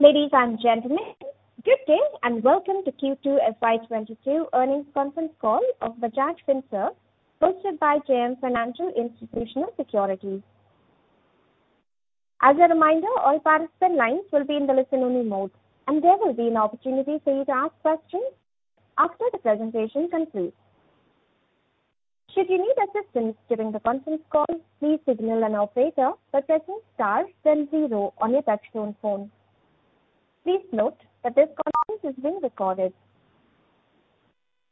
Ladies and gentlemen, good day, and welcome to Q2 FY 2022 earnings conference call of Bajaj Finserv, hosted by JM Financial Institutional Securities. As a reminder, all participant lines will be in the listen only mode, and there will be an opportunity for you to ask questions after the presentation concludes. Should you need assistance during the conference call, please signal an operator by pressing star then zero on your touchtone phone. Please note that this conference is being recorded.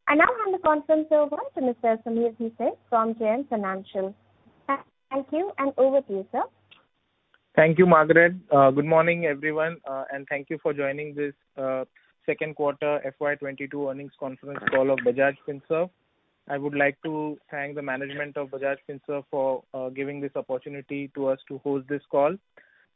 I now hand the conference over to Mr. Sameer Bhise from JM Financial. Thank you, and over to you, sir. Thank you, Margaret. Good morning, everyone, and thank you for joining this second quarter FY 2022 earnings conference call of Bajaj Finserv. I would like to thank the management of Bajaj Finserv for giving this opportunity to us to host this call.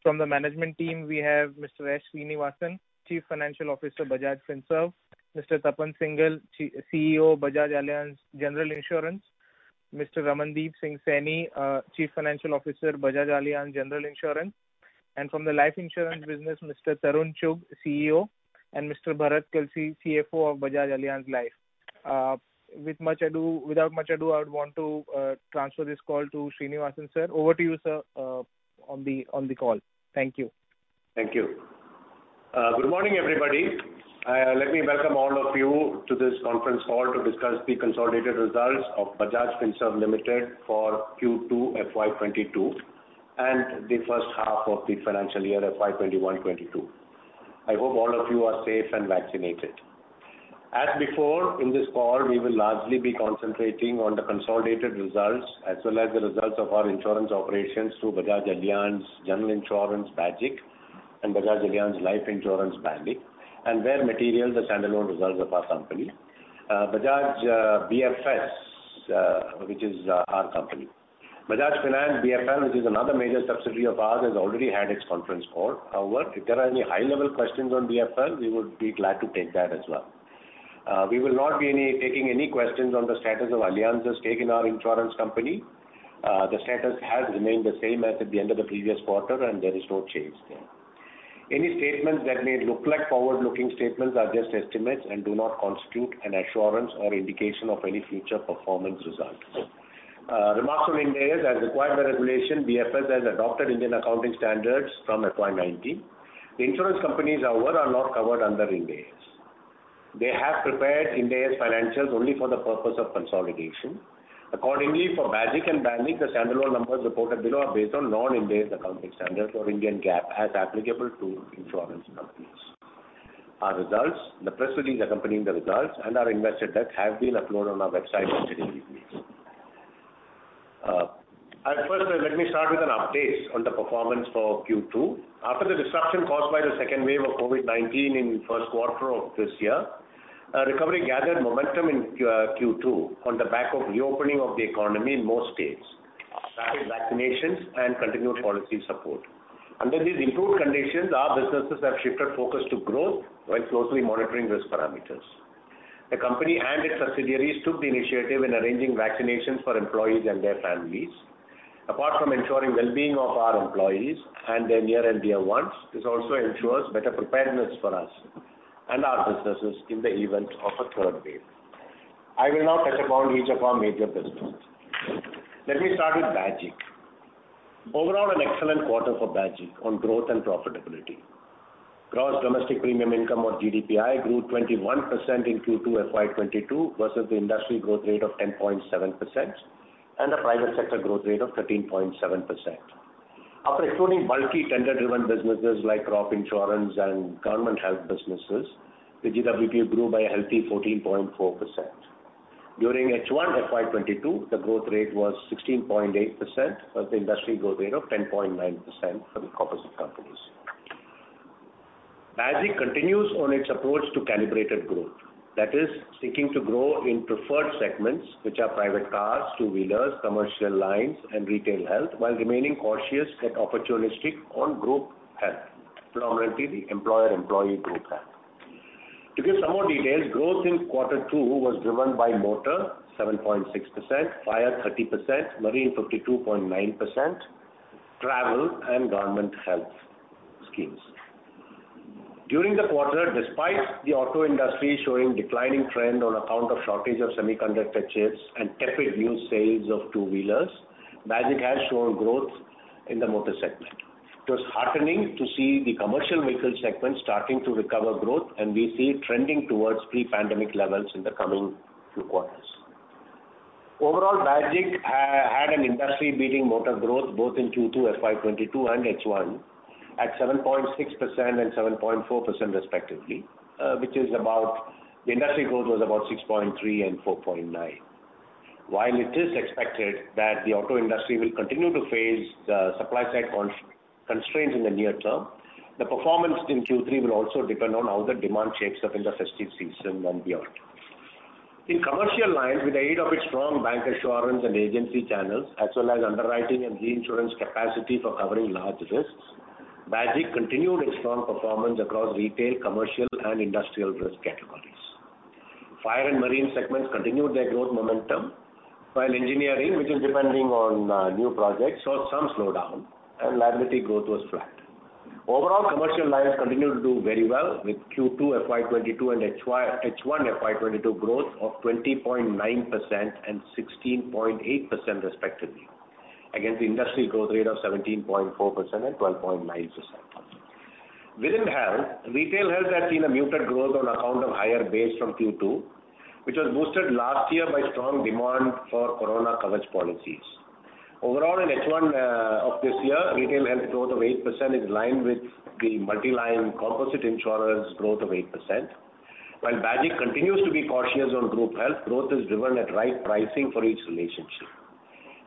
From the management team, we have Mr. S. Sreenivasan, Chief Financial Officer, Bajaj Finserv; Mr. Tapan Singhel, CEO, Bajaj Allianz General Insurance; Mr. Ramandeep Singh Sahni, Chief Financial Officer, Bajaj Allianz General Insurance. From the life insurance business, Mr. Tarun Chugh, CEO, and Mr. Bharat Kalsi, CFO of Bajaj Allianz Life. Without much ado, I would want to transfer this call to Sreenivasan, sir. Over to you, sir, on the call. Thank you. Thank you. Good morning, everybody. Let me welcome all of you to this conference call to discuss the consolidated results of Bajaj Finserv Limited for Q2 FY 2022 and the first half of the financial year FY 2021/2022. I hope all of you are safe and vaccinated. As before, in this call, we will largely be concentrating on the consolidated results as well as the results of our insurance operations through Bajaj Allianz General Insurance, Bajic, and Bajaj Allianz Life Insurance, Balic, and where material, the standalone results of our company, Bajaj, BFS, which is, our company. Bajaj Finance, BFL, which is another major subsidiary of ours, has already had its conference call. However, if there are any high-level questions on BFL, we would be glad to take that as well. We will not be taking any questions on the status of Allianz's stake in our insurance company. The status has remained the same as at the end of the previous quarter, and there is no change there. Any statements that may look like forward-looking statements are just estimates and do not constitute an assurance or indication of any future performance results. Remarks on Ind AS, as required by regulation, BFS has adopted Indian accounting standards from FY 2019. The insurance companies, however, are not covered under Ind AS. They have prepared Ind AS financials only for the purpose of consolidation. Accordingly, for BAGIC and BALIC, the standalone numbers reported below are based on non-Ind AS accounting standards or Indian GAAP as applicable to insurance companies. Our results, the press release accompanying the results, and our investor deck have been uploaded on our website on today's release. At first, let me start with an update on the performance for Q2. After the disruption caused by the second wave of COVID-19 in first quarter of this year, recovery gathered momentum in Q2 on the back of reopening of the economy in most states, rapid vaccinations and continued policy support. Under these improved conditions, our businesses have shifted focus to growth while closely monitoring risk parameters. The company and its subsidiaries took the initiative in arranging vaccinations for employees and their families. Apart from ensuring well-being of our employees and their near and dear ones, this also ensures better preparedness for us and our businesses in the event of a third wave. I will now touch upon each of our major businesses. Let me start with Bajaj General. Overall, an excellent quarter for Bajaj General on growth and profitability. Gross domestic premium income, or GDPI, grew 21% in Q2 FY 2022 versus the industry growth rate of 10.7% and a private sector growth rate of 13.7%. After excluding bulky tender-driven businesses like crop insurance and government health businesses, the GDPI grew by a healthy 14.4%. During H1 FY 2022, the growth rate was 16.8% versus the industry growth rate of 10.9% for the composite companies. Bajaj continues on its approach to calibrated growth, that is, seeking to grow in preferred segments, which are private cars, two-wheelers, commercial lines, and retail health, while remaining cautious yet opportunistic on group health, predominantly the employer-employee group health. To give some more details, growth in quarter two was driven by motor, 7.6%; fire, 30%; marine, 52.9%; travel and government health schemes. During the quarter, despite the auto industry showing declining trend on account of shortage of semiconductor chips and tepid new sales of two-wheelers, Bajaj General has shown growth in the motor segment. It was heartening to see the commercial vehicle segment starting to recover growth, and we see it trending towards pre-pandemic levels in the coming few quarters. Overall, Bajaj General had an industry-beating motor growth both in Q2 FY 2022 and H1 at 7.6% and 7.4% respectively, which is about the industry growth was about 6.3% and 4.9%. While it is expected that the auto industry will continue to face the supply-side constraints in the near term, the performance in Q3 will also depend on how the demand shapes up in the festive season and beyond. In commercial lines, with the aid of its strong bancassurance and agency channels, as well as underwriting and reinsurance capacity for covering large risks, Bajaj continued its strong performance across retail, commercial, and industrial risk categories. Fire and marine segments continued their growth momentum, while engineering, which is depending on new projects, saw some slowdown and liability growth was flat. Overall, commercial lines continued to do very well with Q2 FY 2022 and H1 FY 2022 growth of 20.9% and 16.8% respectively, against the industry growth rate of 17.4% and 12.9%. Within health, retail health has seen a muted growth on account of higher base from Q2, which was boosted last year by strong demand for corona coverage policies. Overall, in H1 of this year, retail health growth of 8% is in line with the multi-line composite insurance growth of 8%. While Bajaj General continues to be cautious on group health, growth is driven at right pricing for each relationship.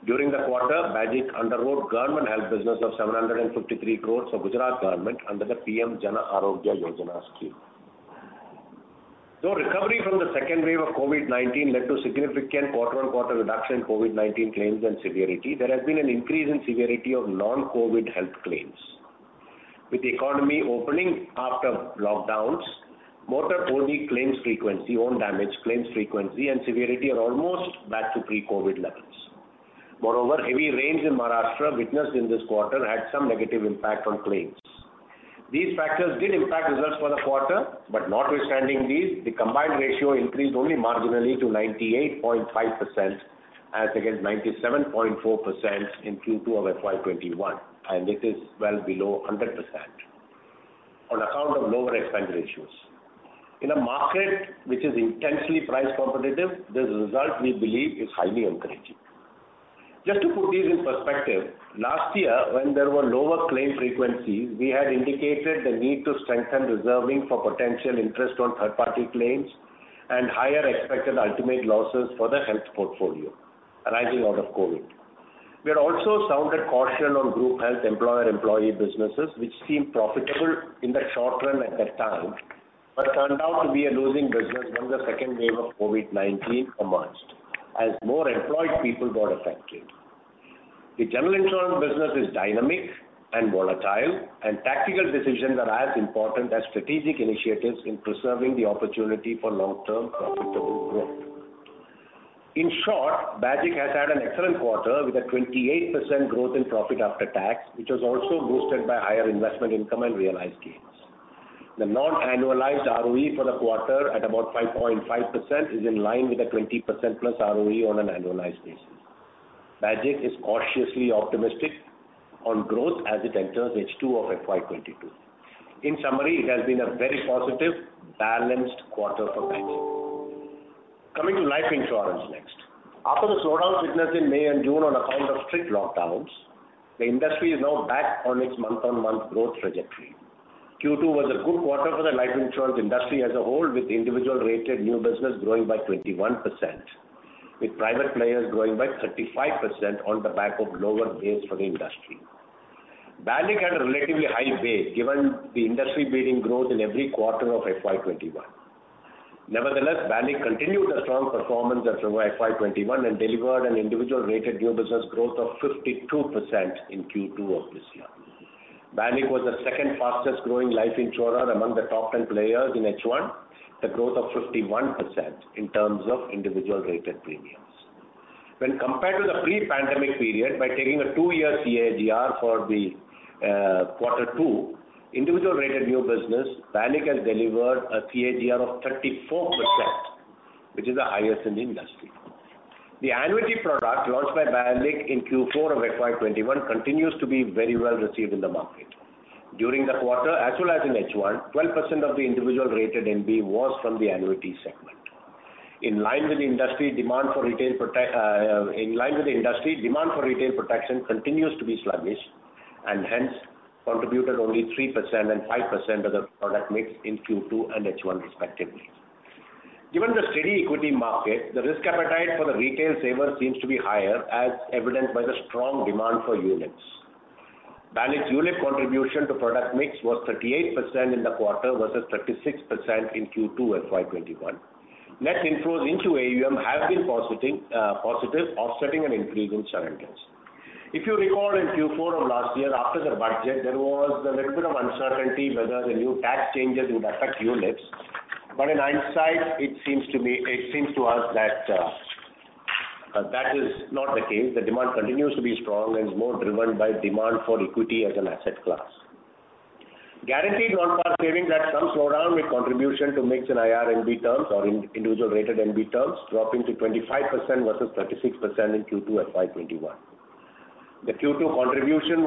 During the quarter, Bajaj General underwrote government health business of 753 crore for Gujarat government under the PM Jan Arogya Yojana scheme. Though recovery from the second wave of COVID-19 led to significant quarter-on-quarter reduction in COVID-19 claims and severity, there has been an increase in severity of non-COVID health claims. With the economy opening after lockdowns, motor-only claims frequency, own damage claims frequency and severity are almost back to pre-COVID levels. Moreover, heavy rains in Maharashtra witnessed in this quarter had some negative impact on claims. These factors did impact results for the quarter, but notwithstanding these, the combined ratio increased only marginally to 98.5% as against 97.4% in Q2 of FY 2021, and it is well below 100% on account of lower expense ratios. In a market which is intensely price competitive, this result, we believe, is highly encouraging. Just to put this in perspective, last year when there were lower claim frequencies, we had indicated the need to strengthen reserving for potential interest on third party claims and higher expected ultimate losses for the health portfolio arising out of COVID-19. We had also sounded caution on group health employer-employee businesses which seemed profitable in the short run at that time, but turned out to be a losing business when the second wave of COVID-19 commenced as more employed people got affected. The general insurance business is dynamic and volatile, and tactical decisions are as important as strategic initiatives in preserving the opportunity for long-term profitable growth. In short, Bajaj has had an excellent quarter with a 28% growth in profit after tax, which was also boosted by higher investment income and realized gains. The non-annualized ROE for the quarter at about 5.5% is in line with the 20%+ ROE on an annualized basis. Bajaj is cautiously optimistic on growth as it enters H2 of FY 2022. In summary, it has been a very positive, balanced quarter for Bajaj. Coming to life insurance next. After the slowdown witnessed in May and June on account of strict lockdowns, the industry is now back on its month-on-month growth trajectory. Q2 was a good quarter for the life insurance industry as a whole, with individual rated new business growing by 21%, with private players growing by 35% on the back of lower base for the industry. Bajaj had a relatively high base given the industry-leading growth in every quarter of FY 2021. Nevertheless, Bajaj continued the strong performance of FY 2021 and delivered an individual rated new business growth of 52% in Q2 of this year. Bajaj was the second fastest growing life insurer among the top ten players in H1, with a growth of 51% in terms of individual rated premiums. When compared to the pre-pandemic period by taking a 2-year CAGR for the quarter 2 individual rated new business, Bajaj has delivered a CAGR of 34%, which is the highest in the industry. The annuity product launched by Bajaj in Q4 of FY 2021 continues to be very well received in the market. During the quarter, as well as in H1, 12% of the individual rated NB was from the annuity segment. In line with the industry demand for retail protection continues to be sluggish and hence contributed only 3% and 5% of the product mix in Q2 and H1 respectively. Given the steady equity market, the risk appetite for the retail saver seems to be higher, as evidenced by the strong demand for units. Bajaj unit contribution to product mix was 38% in the quarter versus 36% in Q2 FY 2021. Net inflows into AUM have been posting positive, offsetting an increase in surrenders. If you recall, in Q4 of last year after the budget, there was a little bit of uncertainty whether the new tax changes would affect units. In hindsight it seems to us that that is not the case. The demand continues to be strong and is more driven by demand for equity as an asset class. Guaranteed non-par savings had some slowdown with contribution to mix in IRNB terms or individual rated NB terms dropping to 25% versus 36% in Q2 FY 2021.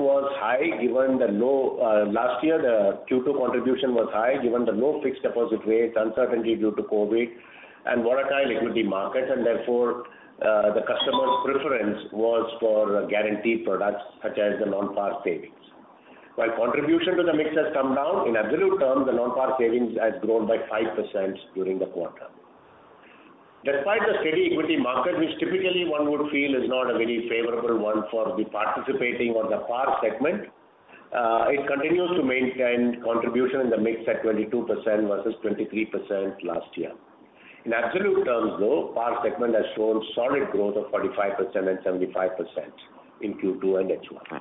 Last year the Q2 contribution was high given the low fixed deposit rates, uncertainty due to COVID-19 and volatile equity markets, and therefore, the customers' preference was for guaranteed products such as the non-par savings. While contribution to the mix has come down, in absolute terms, the non-par savings has grown by 5% during the quarter. Despite the steady equity market, which typically one would feel is not a very favorable one for the participating or the par segment, it continues to maintain contribution in the mix at 22% versus 23% last year. In absolute terms, though, PAR segment has shown solid growth of 45% and 75% in Q2 and H1.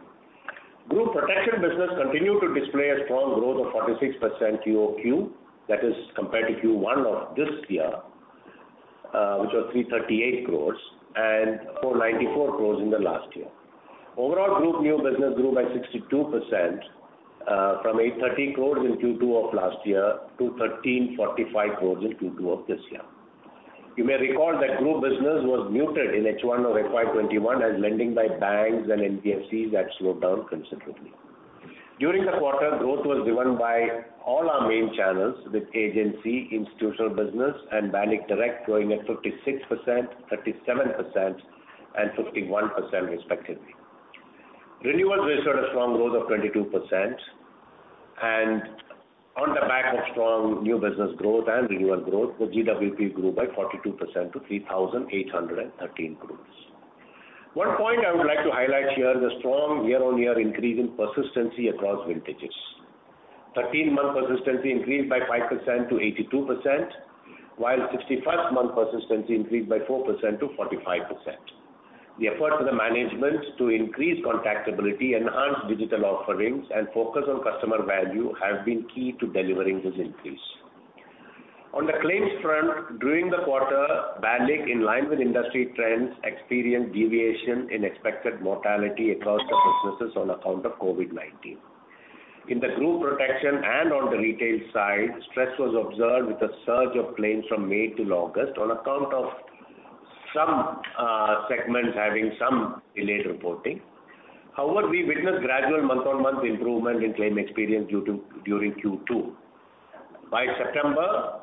Group protection business continued to display a strong growth of 46% QOQ, that is compared to Q1 of this year, which was 338 crore and 494 crore in the last year. Overall group new business grew by 62%, from 830 crore in Q2 of last year to 1,345 crore in Q2 of this year. You may recall that group business was muted in H1 of FY 2021 as lending by banks and NBFCs had slowed down considerably. During the quarter, growth was driven by all our main channels with agency, institutional business and BALIC Direct growing at 56%, 37% and 51% respectively. Renewals registered a strong growth of 22% and on the back of strong new business growth and renewal growth, the GWP grew by 42% to 3,813 crores. One point I would like to highlight here is the strong year-on-year increase in persistency across vintages. 13-month persistency increased by 5% to 82%, while 61st-month persistency increased by 4% to 45%. The efforts of the management to increase contactability, enhance digital offerings and focus on customer value have been key to delivering this increase. On the claims front, during the quarter, BALIC in line with industry trends experienced deviation in expected mortality across the businesses on account of COVID-19. In the group protection and on the retail side, stress was observed with a surge of claims from May till August on account of some segments having some delayed reporting. However, we witnessed gradual month-on-month improvement in claim experience during Q2. By September,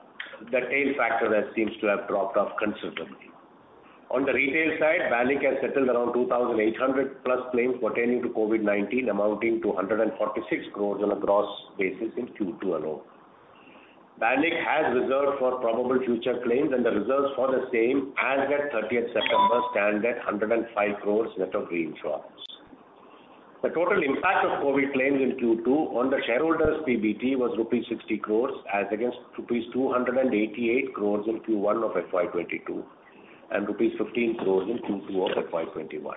the tail factor seems to have dropped off considerably. On the retail side, BALIC has settled around 2,800+ claims pertaining to COVID-19 amounting to 146 crores on a gross basis in Q2 alone. BALIC has reserved for probable future claims and the reserves for the same as at 30th September stand at 105 crores net of reinsurance. The total impact of COVID claims in Q2 on the shareholders PBT was rupees 60 crores as against rupees 288 crores in Q1 of FY 2022 and rupees 15 crores in Q2 of FY 2021.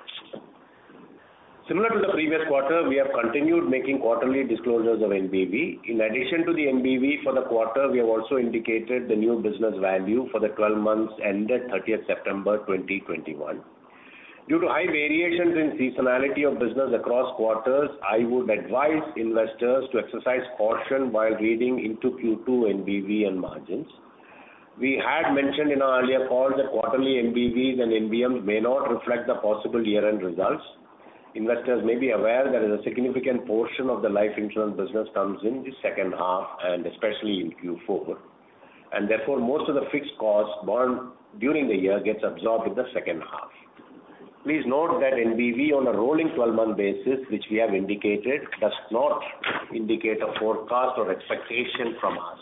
Similar to the previous quarter, we have continued making quarterly disclosures of NBV. In addition to the NBV for the quarter, we have also indicated the new business value for the 12 months ended 30th September 2021. Due to high variations in seasonality of business across quarters, I would advise investors to exercise caution while reading into Q2 NBV and margins. We had mentioned in our earlier call that quarterly NBVs and NBMs may not reflect the possible year-end results. Investors may be aware there is a significant portion of the life insurance business comes in the second half and especially in Q4. Therefore, most of the fixed costs borne during the year gets absorbed in the second half. Please note that NBV on a rolling 12-month basis, which we have indicated, does not indicate a forecast or expectation from us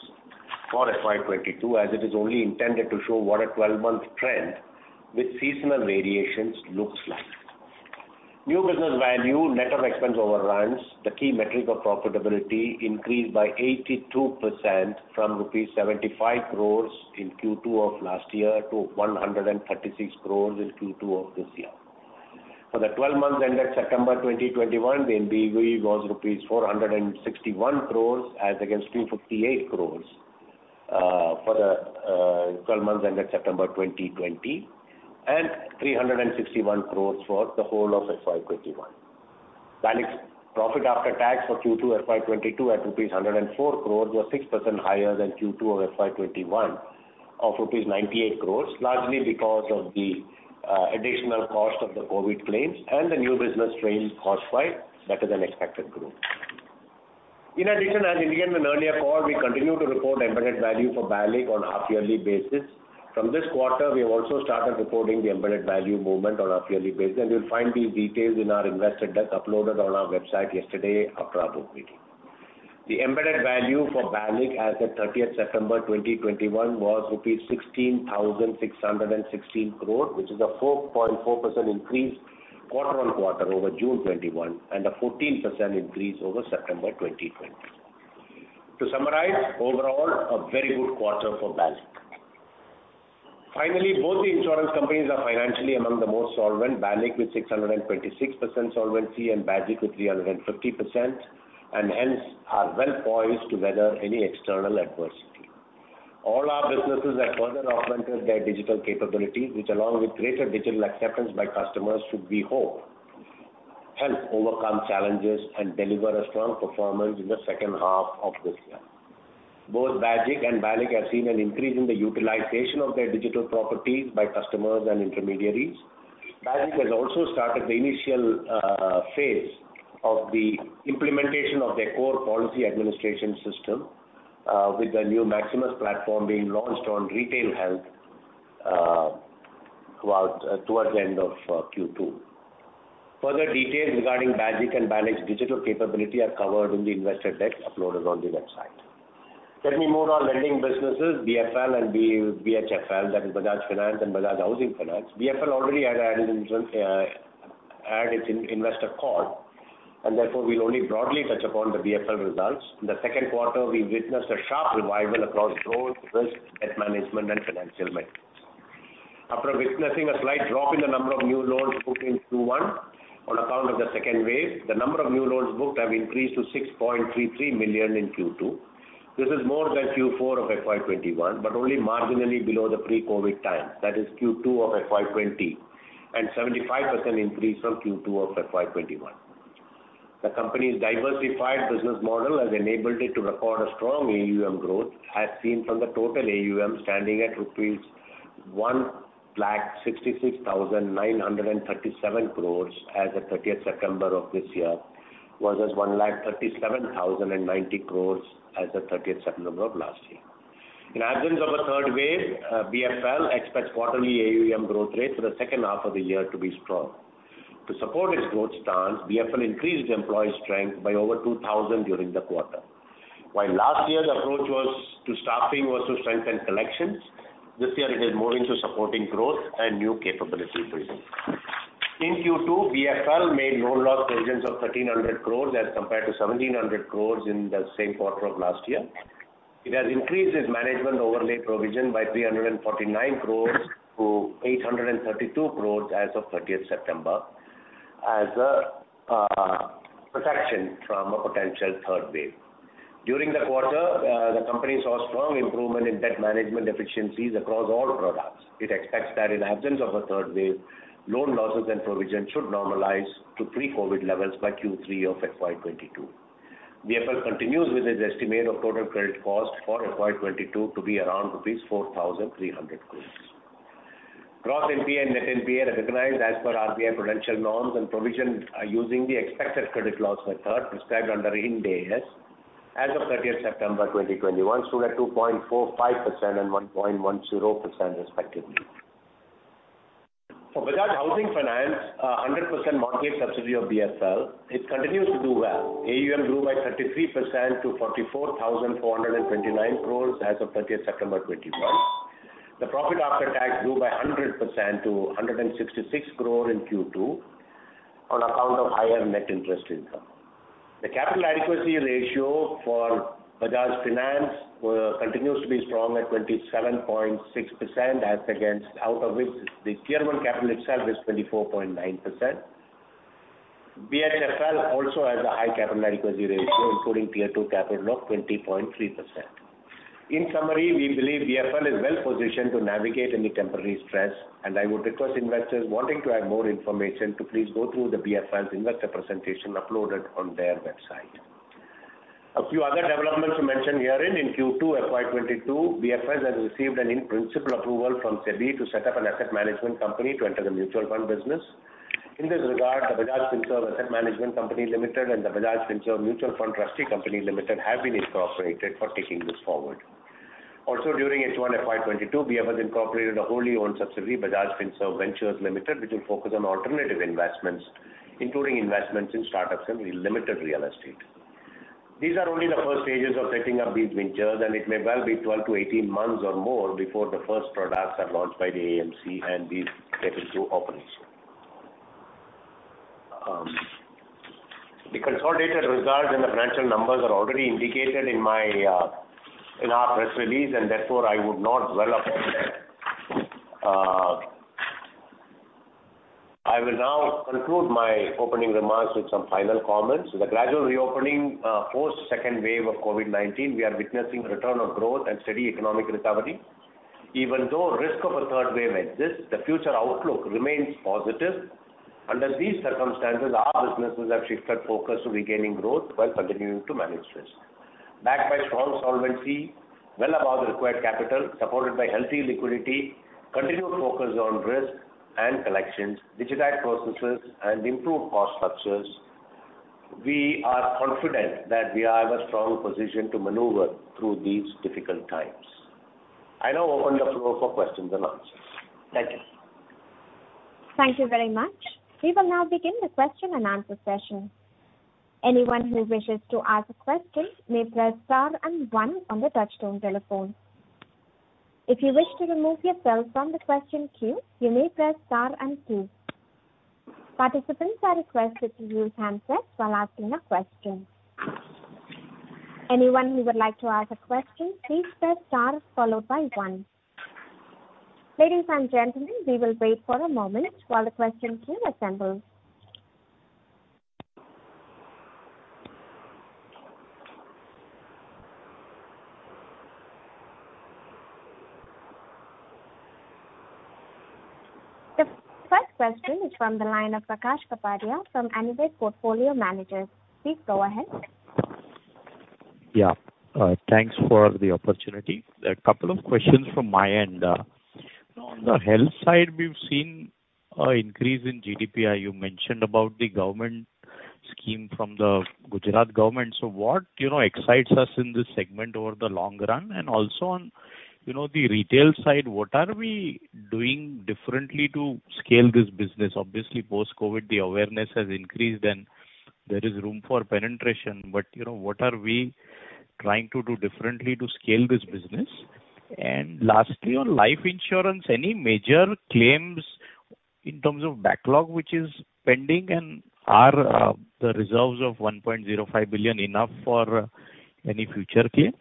for FY 2022, as it is only intended to show what a 12-month trend with seasonal variations looks like. New business value net of expense overruns, the key metric of profitability, increased by 82% from rupees 75 crores in Q2 of last year to 136 crores in Q2 of this year. For the twelve months ended September 2021, the NBV was rupees 461 crores as against 258 crores for the twelve months ended September 2020 and 361 crores for the whole of FY 2021. BALIC's profit after tax for Q2 FY 2022 at rupees 104 crores was 6% higher than Q2 of FY 2021 of rupees 98 crores, largely because of the additional cost of the COVID claims and the new business premiums offset by better than expected growth. In addition, as indicated in an earlier call, we continue to report embedded value for BALIC on a half yearly basis. From this quarter, we have also started reporting the embedded value movement on a half-yearly basis, and you'll find these details in our investor deck uploaded on our website yesterday after our board meeting. The embedded value for BALIC as of 30th September 2021 was rupees 16,616 crore, which is a 4.4% increase quarter-on-quarter over June 2021 and a 14% increase over September 2020. To summarize, overall, a very good quarter for BALIC. Finally, both the insurance companies are financially among the most solvent, BALIC with 626% solvency and BAGIC with 350% and hence are well poised to weather any external adversity. All our businesses have further augmented their digital capability, which along with greater digital acceptance by customers should we hope, help overcome challenges and deliver a strong performance in the second half of this year. Both Bajaj General and Bajaj Life have seen an increase in the utilization of their digital properties by customers and intermediaries. Bajaj General has also started the initial phase of the implementation of their core policy administration system with the new Maximus platform being launched on retail health about towards the end of Q2. Further details regarding Bajaj General and Bajaj Life's digital capability are covered in the investor deck uploaded on the website. Let me move on lending businesses, BFL and BHFL, that is Bajaj Finance and Bajaj Housing Finance. BFL already had its investor call, and therefore, we'll only broadly touch upon the BFL results. In the second quarter, we witnessed a sharp revival across growth, risk, debt management and financial metrics. After witnessing a slight drop in the number of new loans booked in Q1 on account of the second wave, the number of new loans booked have increased to 6.33 million in Q2. This is more than Q4 of FY 2021, but only marginally below the pre-COVID time. That is Q2 of FY 2020, and 75% increase from Q2 of FY 2021. The company's diversified business model has enabled it to record a strong AUM growth, as seen from the total AUM standing at rupees 1,66,937 crore as of 30th September of this year, versus 1,37,090 crore as of 30th September of last year. In absence of a third wave, BFL expects quarterly AUM growth rate for the second half of the year to be strong. To support its growth stance, BFL increased employee strength by over 2,000 during the quarter. While last year the approach to staffing was to strengthen collections, this year it is more into supporting growth and new capability building. In Q2, BFL made loan loss provisions of 1,300 crore as compared to 1,700 crore in the same quarter of last year. It has increased its management overlay provision by 349 crore to 832 crore as of 30th September as a protection from a potential third wave. During the quarter, the company saw strong improvement in debt management efficiencies across all products. It expects that in absence of a third wave, loan losses and provision should normalize to pre-COVID levels by Q3 of FY 2022. BFL continues with its estimate of total credit cost for FY 2022 to be around rupees 4,300 crores. Gross NPA and net NPA recognized as per RBI prudential norms and provision using the expected credit loss method prescribed under Ind AS as of 30 September 2021 stood at 2.45% and 1.10% respectively. For Bajaj Housing Finance, a 100% wholly owned subsidiary of BFL, it continues to do well. AUM grew by 33% to 44,429 crores as of 30 September 2021. The profit after tax grew by 100% to 166 crore in Q2 on account of higher net interest income. The capital adequacy ratio for Bajaj Finance continues to be strong at 27.6% as against out of which the Tier I capital itself is 24.9%. BFSL also has a high capital adequacy ratio, including Tier II capital of 20.3%. In summary, we believe BFL is well-positioned to navigate any temporary stress, and I would request investors wanting to have more information to please go through the BFL's investor presentation uploaded on their website. A few other developments to mention herein. In Q2 FY 2022, BFL has received an in-principle approval from SEBI to set up an asset management company to enter the mutual fund business. In this regard, the Bajaj Finserv Asset Management Limited and the Bajaj Finserv Mutual Fund Trustee Limited have been incorporated for taking this forward. Also, during H1 FY 2022, BFL incorporated a wholly owned subsidiary, Bajaj Finserv Ventures Limited, which will focus on alternative investments, including investments in startups and limited real estate. These are only the first stages of setting up these ventures, and it may well be 12-18 months or more before the first products are launched by the AMC and these step into operation. The consolidated results and the financial numbers are already indicated in our press release, and therefore, I would not dwell upon that. I will now conclude my opening remarks with some final comments. With the gradual reopening, post second wave of COVID-19, we are witnessing a return of growth and steady economic recovery. Even though risk of a third wave exists, the future outlook remains positive. Under these circumstances, our businesses have shifted focus to regaining growth while continuing to manage risk. Backed by strong solvency, well above the required capital, supported by healthy liquidity, continued focus on risk and collections, digitized processes, and improved cost structures, we are confident that we are in a strong position to maneuver through these difficult times. I now open the floor for questions and answers. Thank you. Thank you very much. We will now begin the question and answer session. Anyone who wishes to ask a question may press star and one on the touchtone telephone. If you wish to remove yourself from the question queue, you may press star and two. Participants are requested to use handsets while asking a question. Anyone who would like to ask a question, please press star followed by one. Ladies and gentlemen, we will wait for a moment while the question queue assembles. The first question is from the line of Prakash Kapadia from Anived Portfolio Managers. Please go ahead. Yeah. Thanks for the opportunity. A couple of questions from my end. On the health side, we've seen an increase in GDPI. You mentioned about the government scheme from the Gujarat government. What, you know, excites us in this segment over the long run? Also on, you know, the retail side, what are we doing differently to scale this business? Obviously, post-COVID, the awareness has increased and there is room for penetration, but, you know, what are we trying to do differently to scale this business? Lastly, on life insurance, any major claims. In terms of backlog which is pending and are the reserves of 1.05 billion enough for any future claims?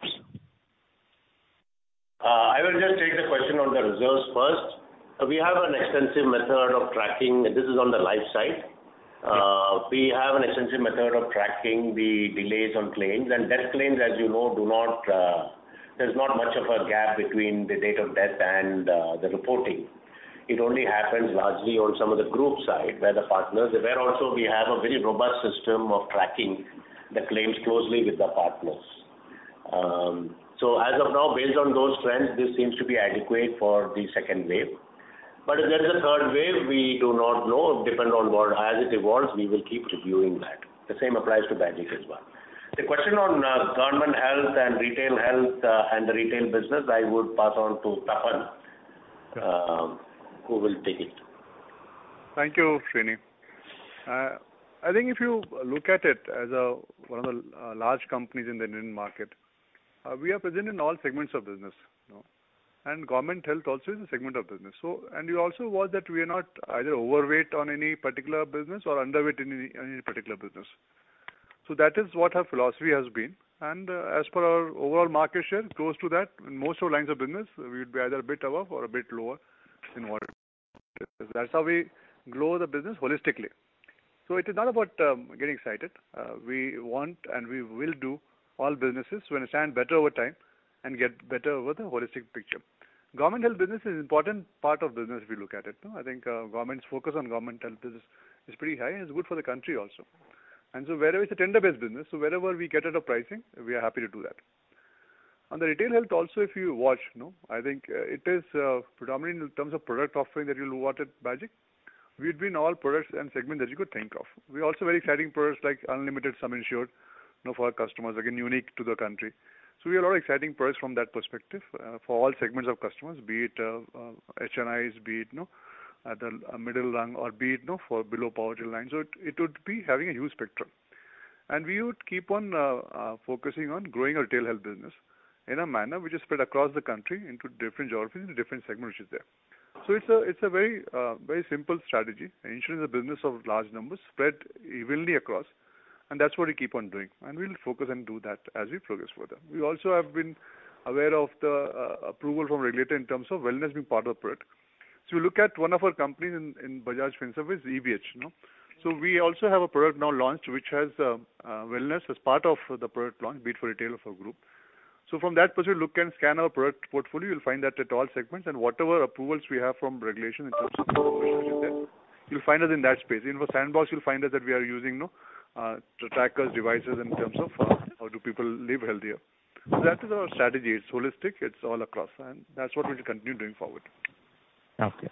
I will just take the question on the reserves first. We have an extensive method of tracking the delays on claims and death claims, as you know, do not, there's not much of a gap between the date of death and the reporting. It only happens largely on some of the group side where the partners. There also we have a very robust system of tracking the claims closely with the partners. So as of now, based on those trends, this seems to be adequate for the second wave. But if there's a third wave, we do not know. It depends on what, as it evolves, we will keep reviewing that. The same applies to Bajaj as well. The question on government health and retail health and the retail business, I would pass on to Tapan, who will take it. Thank you, Srinivasan. I think if you look at it as one of the large companies in the Indian market, we are present in all segments of business, you know. Government health also is a segment of business. You also know that we are not either overweight on any particular business or underweight in any particular business. That is what our philosophy has been. As per our overall market share, close to that in most lines of business, we would be either a bit above or a bit lower in what it is. That's how we grow the business holistically. It is not about getting excited. We want and we will do all businesses. We understand better over time and get better over the holistic picture. Government health business is important part of business if you look at it. I think government's focus on government health business is pretty high, and it's good for the country also. Wherever it's a tender-based business, so wherever we get at a pricing, we are happy to do that. On the retail health also, if you watch, you know, I think it is predominant in terms of product offering that you'll watch at Bajaj. We've been all products and segments that you could think of. We also very exciting products like unlimited sum insured, you know, for our customers, again, unique to the country. We have a lot of exciting products from that perspective for all segments of customers, be it HNIs, be it, you know, at the middle rank or be it, you know, for below poverty line. It would be having a huge spectrum. We would keep on focusing on growing our retail health business in a manner which is spread across the country into different geographies and different segments which is there. It's a very simple strategy. Insurance is a business of large numbers spread evenly across, and that's what we keep on doing, and we'll focus and do that as we progress further. We also have been aware of the approval from regulator in terms of wellness being part of the product. You look at one of our companies in Bajaj Finserv is EBH, you know. We also have a product now launched which has wellness as part of the product launch, be it for retail of our group. From that perspective, look and scan our product portfolio, you'll find that at all segments and whatever approvals we have from regulation in terms of permissions is there, you'll find us in that space. In the sandbox, you'll find us that we are using, you know, trackers, devices in terms of, how do people live healthier. That is our strategy. It's holistic, it's all across, and that's what we'll continue doing forward. Okay.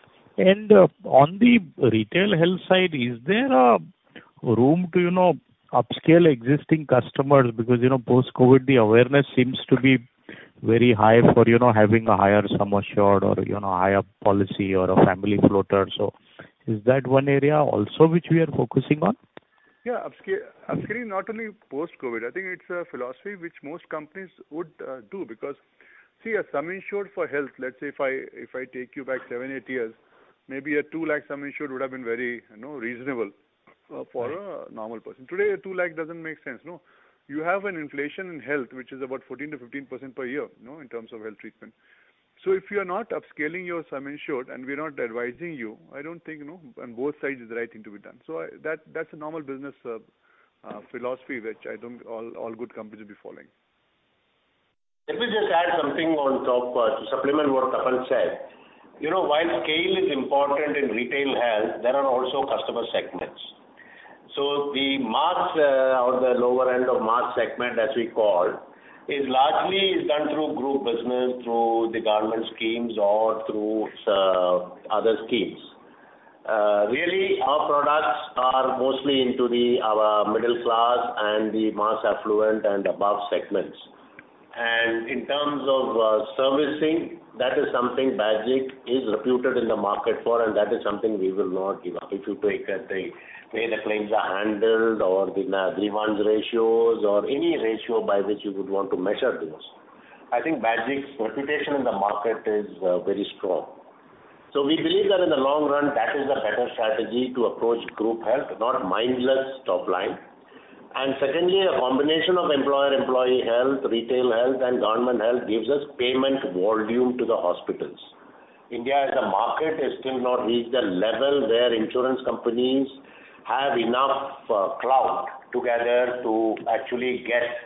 On the retail health side, is there a room to, you know, upscale existing customers? Because, you know, post-COVID-19, the awareness seems to be very high for, you know, having a higher sum assured or, you know, higher policy or a family floater. Is that one area also which we are focusing on? Yeah. Upscaling not only post-COVID. I think it's a philosophy which most companies would do because, see, a sum insured for health, let's say if I take you back 7, 8 years, maybe a 2 lakh sum insured would have been very, you know, reasonable for a normal person. Today, a 2 lakh doesn't make sense, no? You have an inflation in health which is about 14%-15% per year, you know, in terms of health treatment. If you are not upscaling your sum insured and we are not advising you, I don't think, you know, on both sides is the right thing to be done. That, that's a normal business philosophy which I think all good companies will be following. Let me just add something on top to supplement what Tapan said. You know, while scale is important in retail health, there are also customer segments. The mass, or the lower end of mass segment as we call, is largely done through group business, through the government schemes or through other schemes. Really our products are mostly into our middle class and the mass affluent and above segments. In terms of servicing, that is something Bajaj is reputed in the market for and that is something we will not give up. If you take the way the claims are handled or the grievance ratios or any ratio by which you would want to measure this, I think Bajaj's reputation in the market is very strong. We believe that in the long run, that is the better strategy to approach group health, not mindless top line. Secondly, a combination of employer-employee health, retail health and government health gives us payment volume to the hospitals. India as a market has still not reached a level where insurance companies have enough clout together to actually get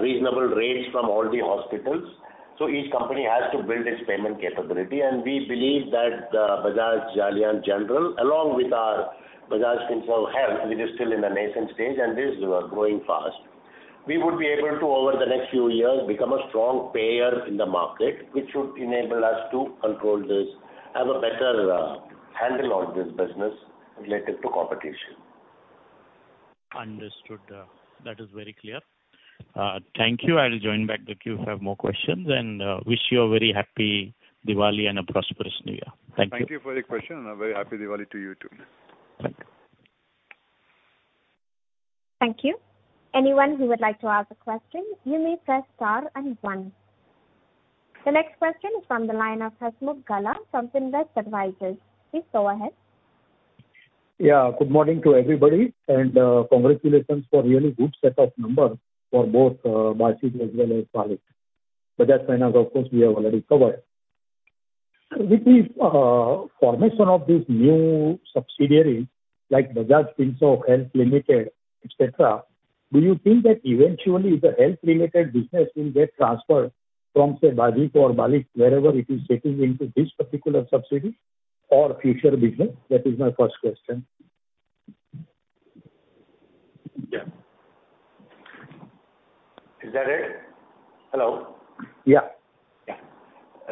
reasonable rates from all the hospitals. Each company has to build its payment capability, and we believe that Bajaj Allianz General, along with our Bajaj Finserv Health, which is still in the nascent stage and is growing fast, we would be able to over the next few years become a strong payer in the market, which should enable us to control this, have a better handle on this business related to competition. Understood. That is very clear. Thank you. I'll join back the queue if I have more questions and wish you a very happy Diwali and a prosperous new year. Thank you. Thank you for the question and a very happy Diwali to you too. Thank you. Anyone who would like to ask a question, you may press star and one. The next question is from the line of Hasmukh Gala from Syndicate Advisors. Please go ahead. Yeah. Good morning to everybody, and congratulations for really good set of numbers for both BAGIC as well as BALIC. Bajaj Finance, of course, we have already covered. With the formation of these new subsidiaries, like Bajaj Finserv Health Limited, et cetera, do you think that eventually the health related business will get transferred from, say, BAGIC or BALIC, wherever it is sitting into this particular subsidiary or future business? That is my first question. Yeah. Is that it? Hello. Yeah. Yeah.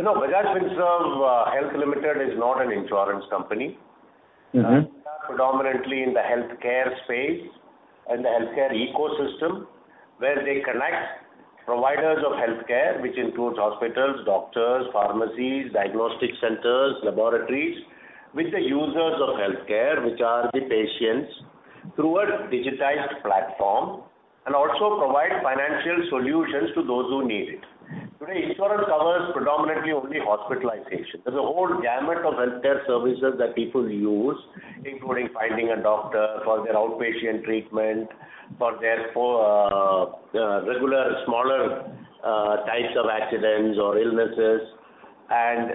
No, Bajaj Finserv Health Limited is not an insurance company. Mm-hmm. They are predominantly in the healthcare space and the healthcare ecosystem, where they connect providers of healthcare, which includes hospitals, doctors, pharmacies, diagnostic centers, laboratories with the users of healthcare, which are the patients, through a digitized platform, and also provide financial solutions to those who need it. Today, insurance covers predominantly only hospitalization. There's a whole gamut of healthcare services that people use, including finding a doctor for their outpatient treatment, for their regular smaller types of accidents or illnesses.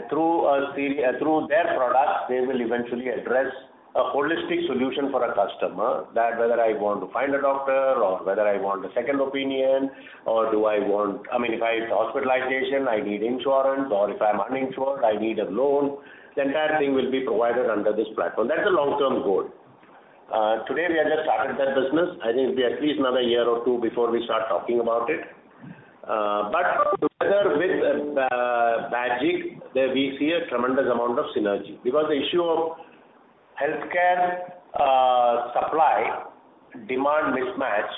Through their products, they will eventually address a holistic solution for a customer that whether I want to find a doctor or whether I want a second opinion or do I want. I mean, if it's hospitalization, I need insurance, or if I'm uninsured, I need a loan, the entire thing will be provided under this platform. That's a long-term goal. Today we have just started that business. I think it'll be at least another year or two before we start talking about it. Together with BAGIC, there we see a tremendous amount of synergy because the issue of healthcare supply-demand mismatch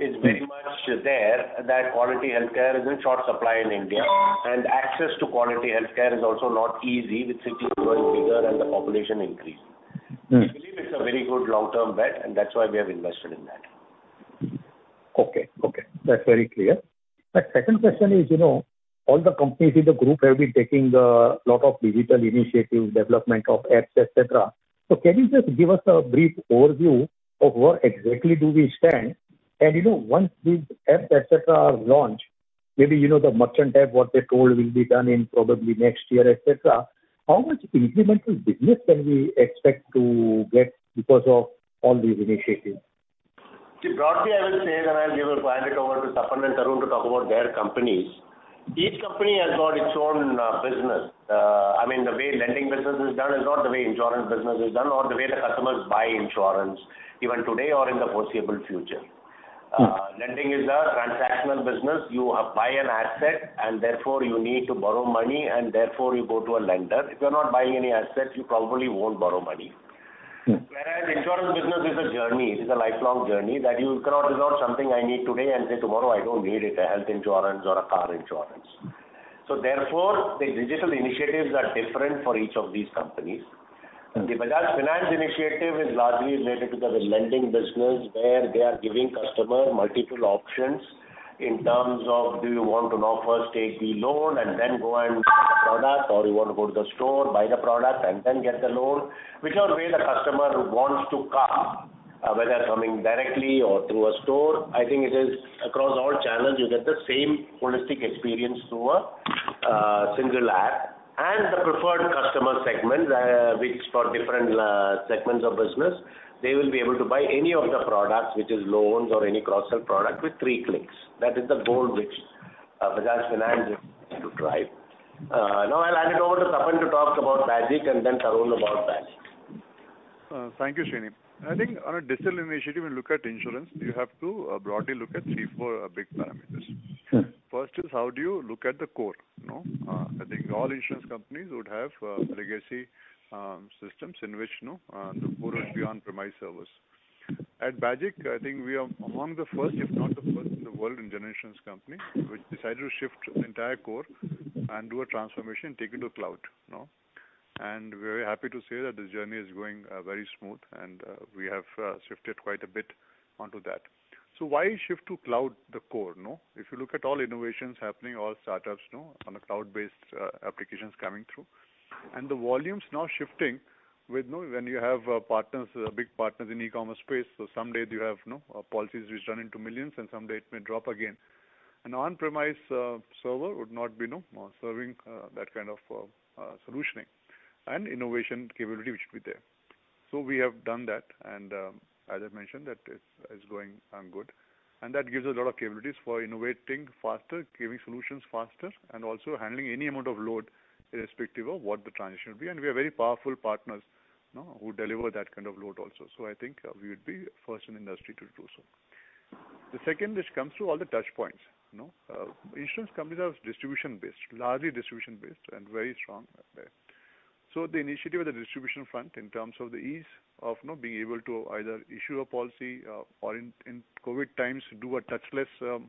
is very much there, that quality healthcare is in short supply in India, and access to quality healthcare is also not easy with cities growing bigger and the population increase. Mm. We believe it's a very good long-term bet, and that's why we have invested in that. Okay. Okay, that's very clear. My second question is, you know, all the companies in the group have been taking a lot of digital initiatives, development of apps, et cetera. Can you just give us a brief overview of where exactly do we stand? You know, once these apps, et cetera, are launched, maybe you know the merchant app, what they told will be done in probably next year, et cetera, how much incremental business can we expect to get because of all these initiatives? See, broadly I will say that I'll hand it over to Tapan and Tarun to talk about their companies. Each company has got its own business. I mean, the way lending business is done is not the way insurance business is done or the way the customers buy insurance even today or in the foreseeable future. Uh. Lending is a transactional business. You buy an asset and therefore you need to borrow money and therefore you go to a lender. If you're not buying any asset, you probably won't borrow money. Mm. Whereas insurance business is a journey. It is a lifelong journey that you cannot decide something I need today and say tomorrow I don't need it, a health insurance or a car insurance. The digital initiatives are different for each of these companies. Mm-hmm. The Bajaj Finance initiative is largely related to the lending business where they are giving customer multiple options in terms of do you want to now first take the loan and then go and buy the product or you want to go to the store, buy the product and then get the loan. Whichever way the customer wants to come, whether coming directly or through a store, I think it is across all channels you get the same holistic experience through a single app. The preferred customer segment, which for different segments of business, they will be able to buy any of the products, which is loans or any cross-sell product with three clicks. That is the goal which Bajaj Finance is looking to drive. Now I'll hand it over to Tapan to talk about BAGIC and then Tarun about BALIC. Thank you, Srini. I think on a digital initiative, you look at insurance, you have to broadly look at three, four big parameters. Mm. First is how do you look at the core, you know? I think all insurance companies would have legacy systems in which, you know, the core is on-premise servers. At BAGIC, I think we are among the first, if not the first in the world in general insurance company which decided to shift the entire core and do a transformation, take it to the cloud, you know. We're happy to say that this journey is going very smooth and we have shifted quite a bit onto that. So why shift the core to the cloud, no? If you look at all innovations happening, all startups, you know, on a cloud-based applications coming through, and the volumes now shifting with, you know, when you have partners, big partners in e-commerce space. Some days you have, you know, policies which run into millions and some days it may drop again. An on-premise server would not be, you know, serving that kind of solutioning and innovation capability which should be there. We have done that, and as I've mentioned that it's going good. That gives us a lot of capabilities for innovating faster, giving solutions faster, and also handling any amount of load irrespective of what the transition will be. We have very powerful partners, you know, who deliver that kind of load also. I think we would be first in industry to do so. The second, which comes through all the touch points, you know. Insurance companies are distribution based, largely distribution based and very strong at that. The initiative at the distribution front in terms of the ease of, you know, being able to either issue a policy, or in COVID times do a touchless sale,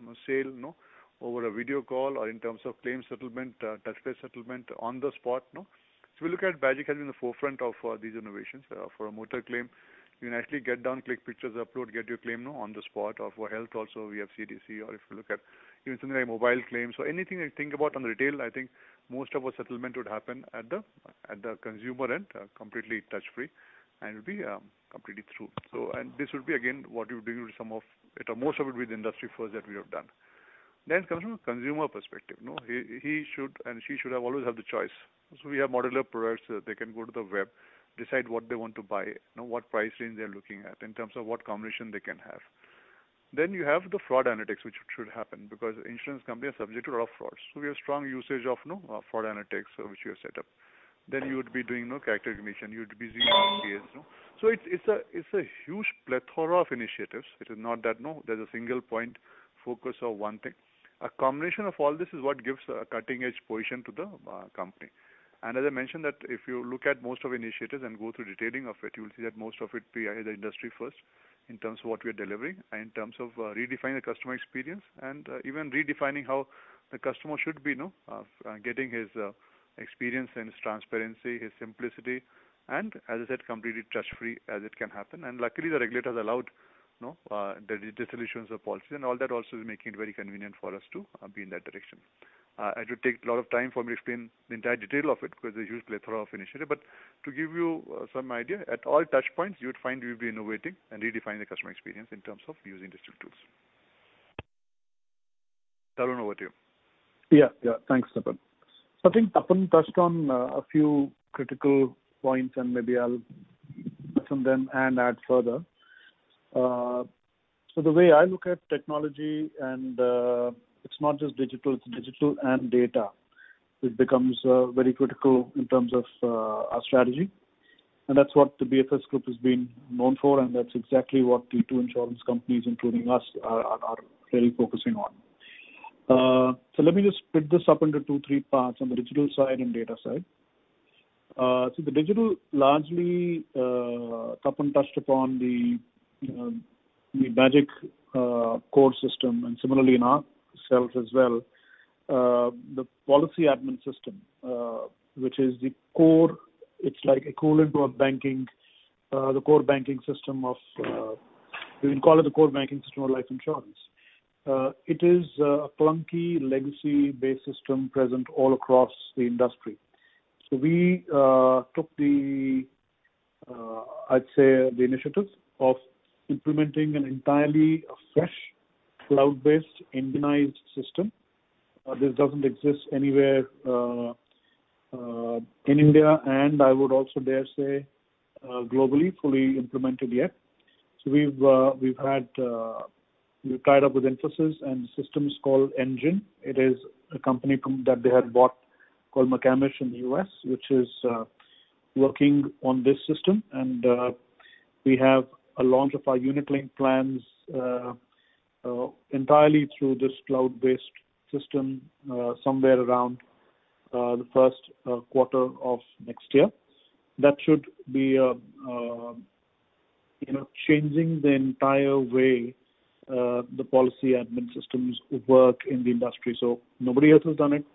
you know, over a video call or in terms of claim settlement, touchless settlement on the spot, you know. We look at Bajaj has been the forefront of these innovations. For a motor claim, you can actually get down, click pictures, upload, get your claim, you know, on the spot. Or for health also we have CDC, or if you look at even something like mobile claims. Anything you think about on retail, I think most of our settlement would happen at the consumer end, completely touch-free and completely through. This would be again what you're doing with some of it or most of it with the industry first that we have done. Coming from a consumer perspective, you know, he and she should always have the choice. We have modular products so that they can go to the web, decide what they want to buy. You know, what price range they're looking at in terms of what combination they can have. You have the fraud analytics which should happen because insurance companies are subject to a lot of frauds. We have strong usage of, you know, fraud analytics which we have set up. You would be doing, you know, character recognition. You would be using PS, you know. It's a huge plethora of initiatives. It is not that, you know, there's a single point focus of one thing. A combination of all this is what gives a cutting-edge position to the company. As I mentioned that if you look at most of initiatives and go through detailing of it, you will see that most of it be either industry first in terms of what we are delivering, in terms of redefining the customer experience and even redefining how the customer should be, you know, getting his experience and his transparency, his simplicity, and as I said, completely touch-free as it can happen. Luckily the regulators allowed, you know, the dissolutions of policies and all that also is making it very convenient for us to be in that direction. It would take a lot of time for me to explain the entire detail of it because there's huge plethora of initiative. To give you, some idea, at all touch points you would find we'll be innovating and redefining the customer experience in terms of using digital tools. Tarun, over to you. Thanks, Tapan. I think Tapan touched on a few critical points and maybe I'll touch on them and add further. The way I look at technology and it's not just digital, it's digital and data. It becomes very critical in terms of our strategy, and that's what the BFS group has been known for, and that's exactly what the two insurance companies, including us, are really focusing on. Let me just split this up into 2-3 parts on the digital side and data side. The digital largely, Tapan touched upon the Bajaj core system and similarly in ourselves as well. The policy admin system, which is the core. It's like equivalent to the core banking system. You can call it the core banking system for life insurance. It is a clunky legacy-based system present all across the industry. We took, I'd say, the initiatives of implementing an entirely fresh cloud-based Engine system. This doesn't exist anywhere in India, and I would also dare say, globally, fully implemented yet. We've tied up with Infosys and the system called Engine. It is a company that they had bought called McCamish in the U.S., which is working on this system. We have a launch of our unit link plans entirely through this cloud-based system, somewhere around the first quarter of next year. That should be, you know, changing the entire way the policy admin systems work in the industry. Nobody else has done it.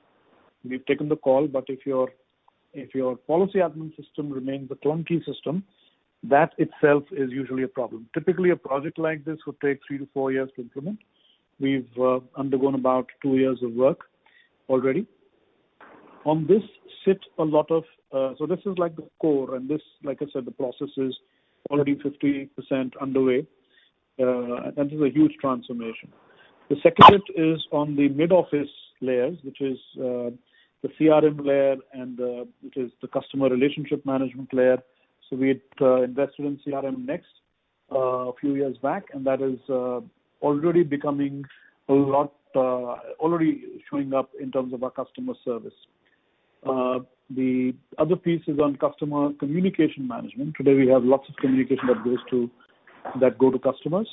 We've taken the call, but if your policy admin system remains a clunky system, that itself is usually a problem. Typically, a project like this would take 3-4 years to implement. We've undergone about 2 years of work already. On this sits a lot of, so this is like the core and this like I said, the process is already 50% underway, and this is a huge transformation. The second bit is on the mid-office layers, which is the CRM layer and which is the customer relationship management layer. We had invested in CRMnext a few years back, and that is already becoming a lot already showing up in terms of our customer service. The other piece is on customer communication management. Today, we have lots of communication that goes to customers.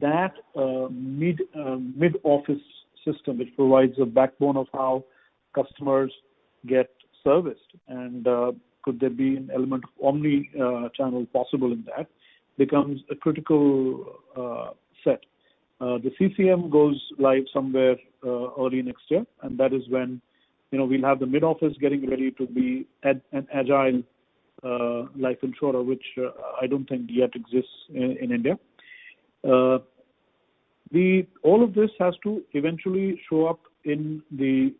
That mid-office system which provides a backbone of how customers get serviced and could there be an element of omnichannel possible in that becomes a critical set. The CCM goes live somewhere early next year, and that is when, you know, we'll have the mid-office getting ready to be an agile life insurer, which I don't think yet exists in India. All of this has to eventually show up in the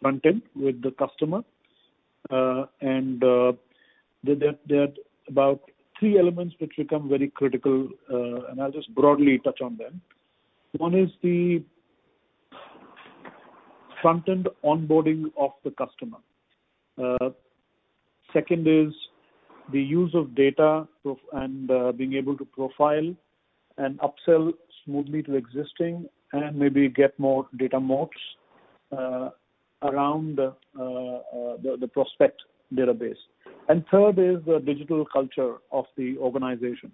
front end with the customer. There are about three elements which become very critical, and I'll just broadly touch on them. One is the front end onboarding of the customer. Second is the use of data and being able to profile and upsell smoothly to existing and maybe get more data moats around the prospect database. Third is the digital culture of the organization,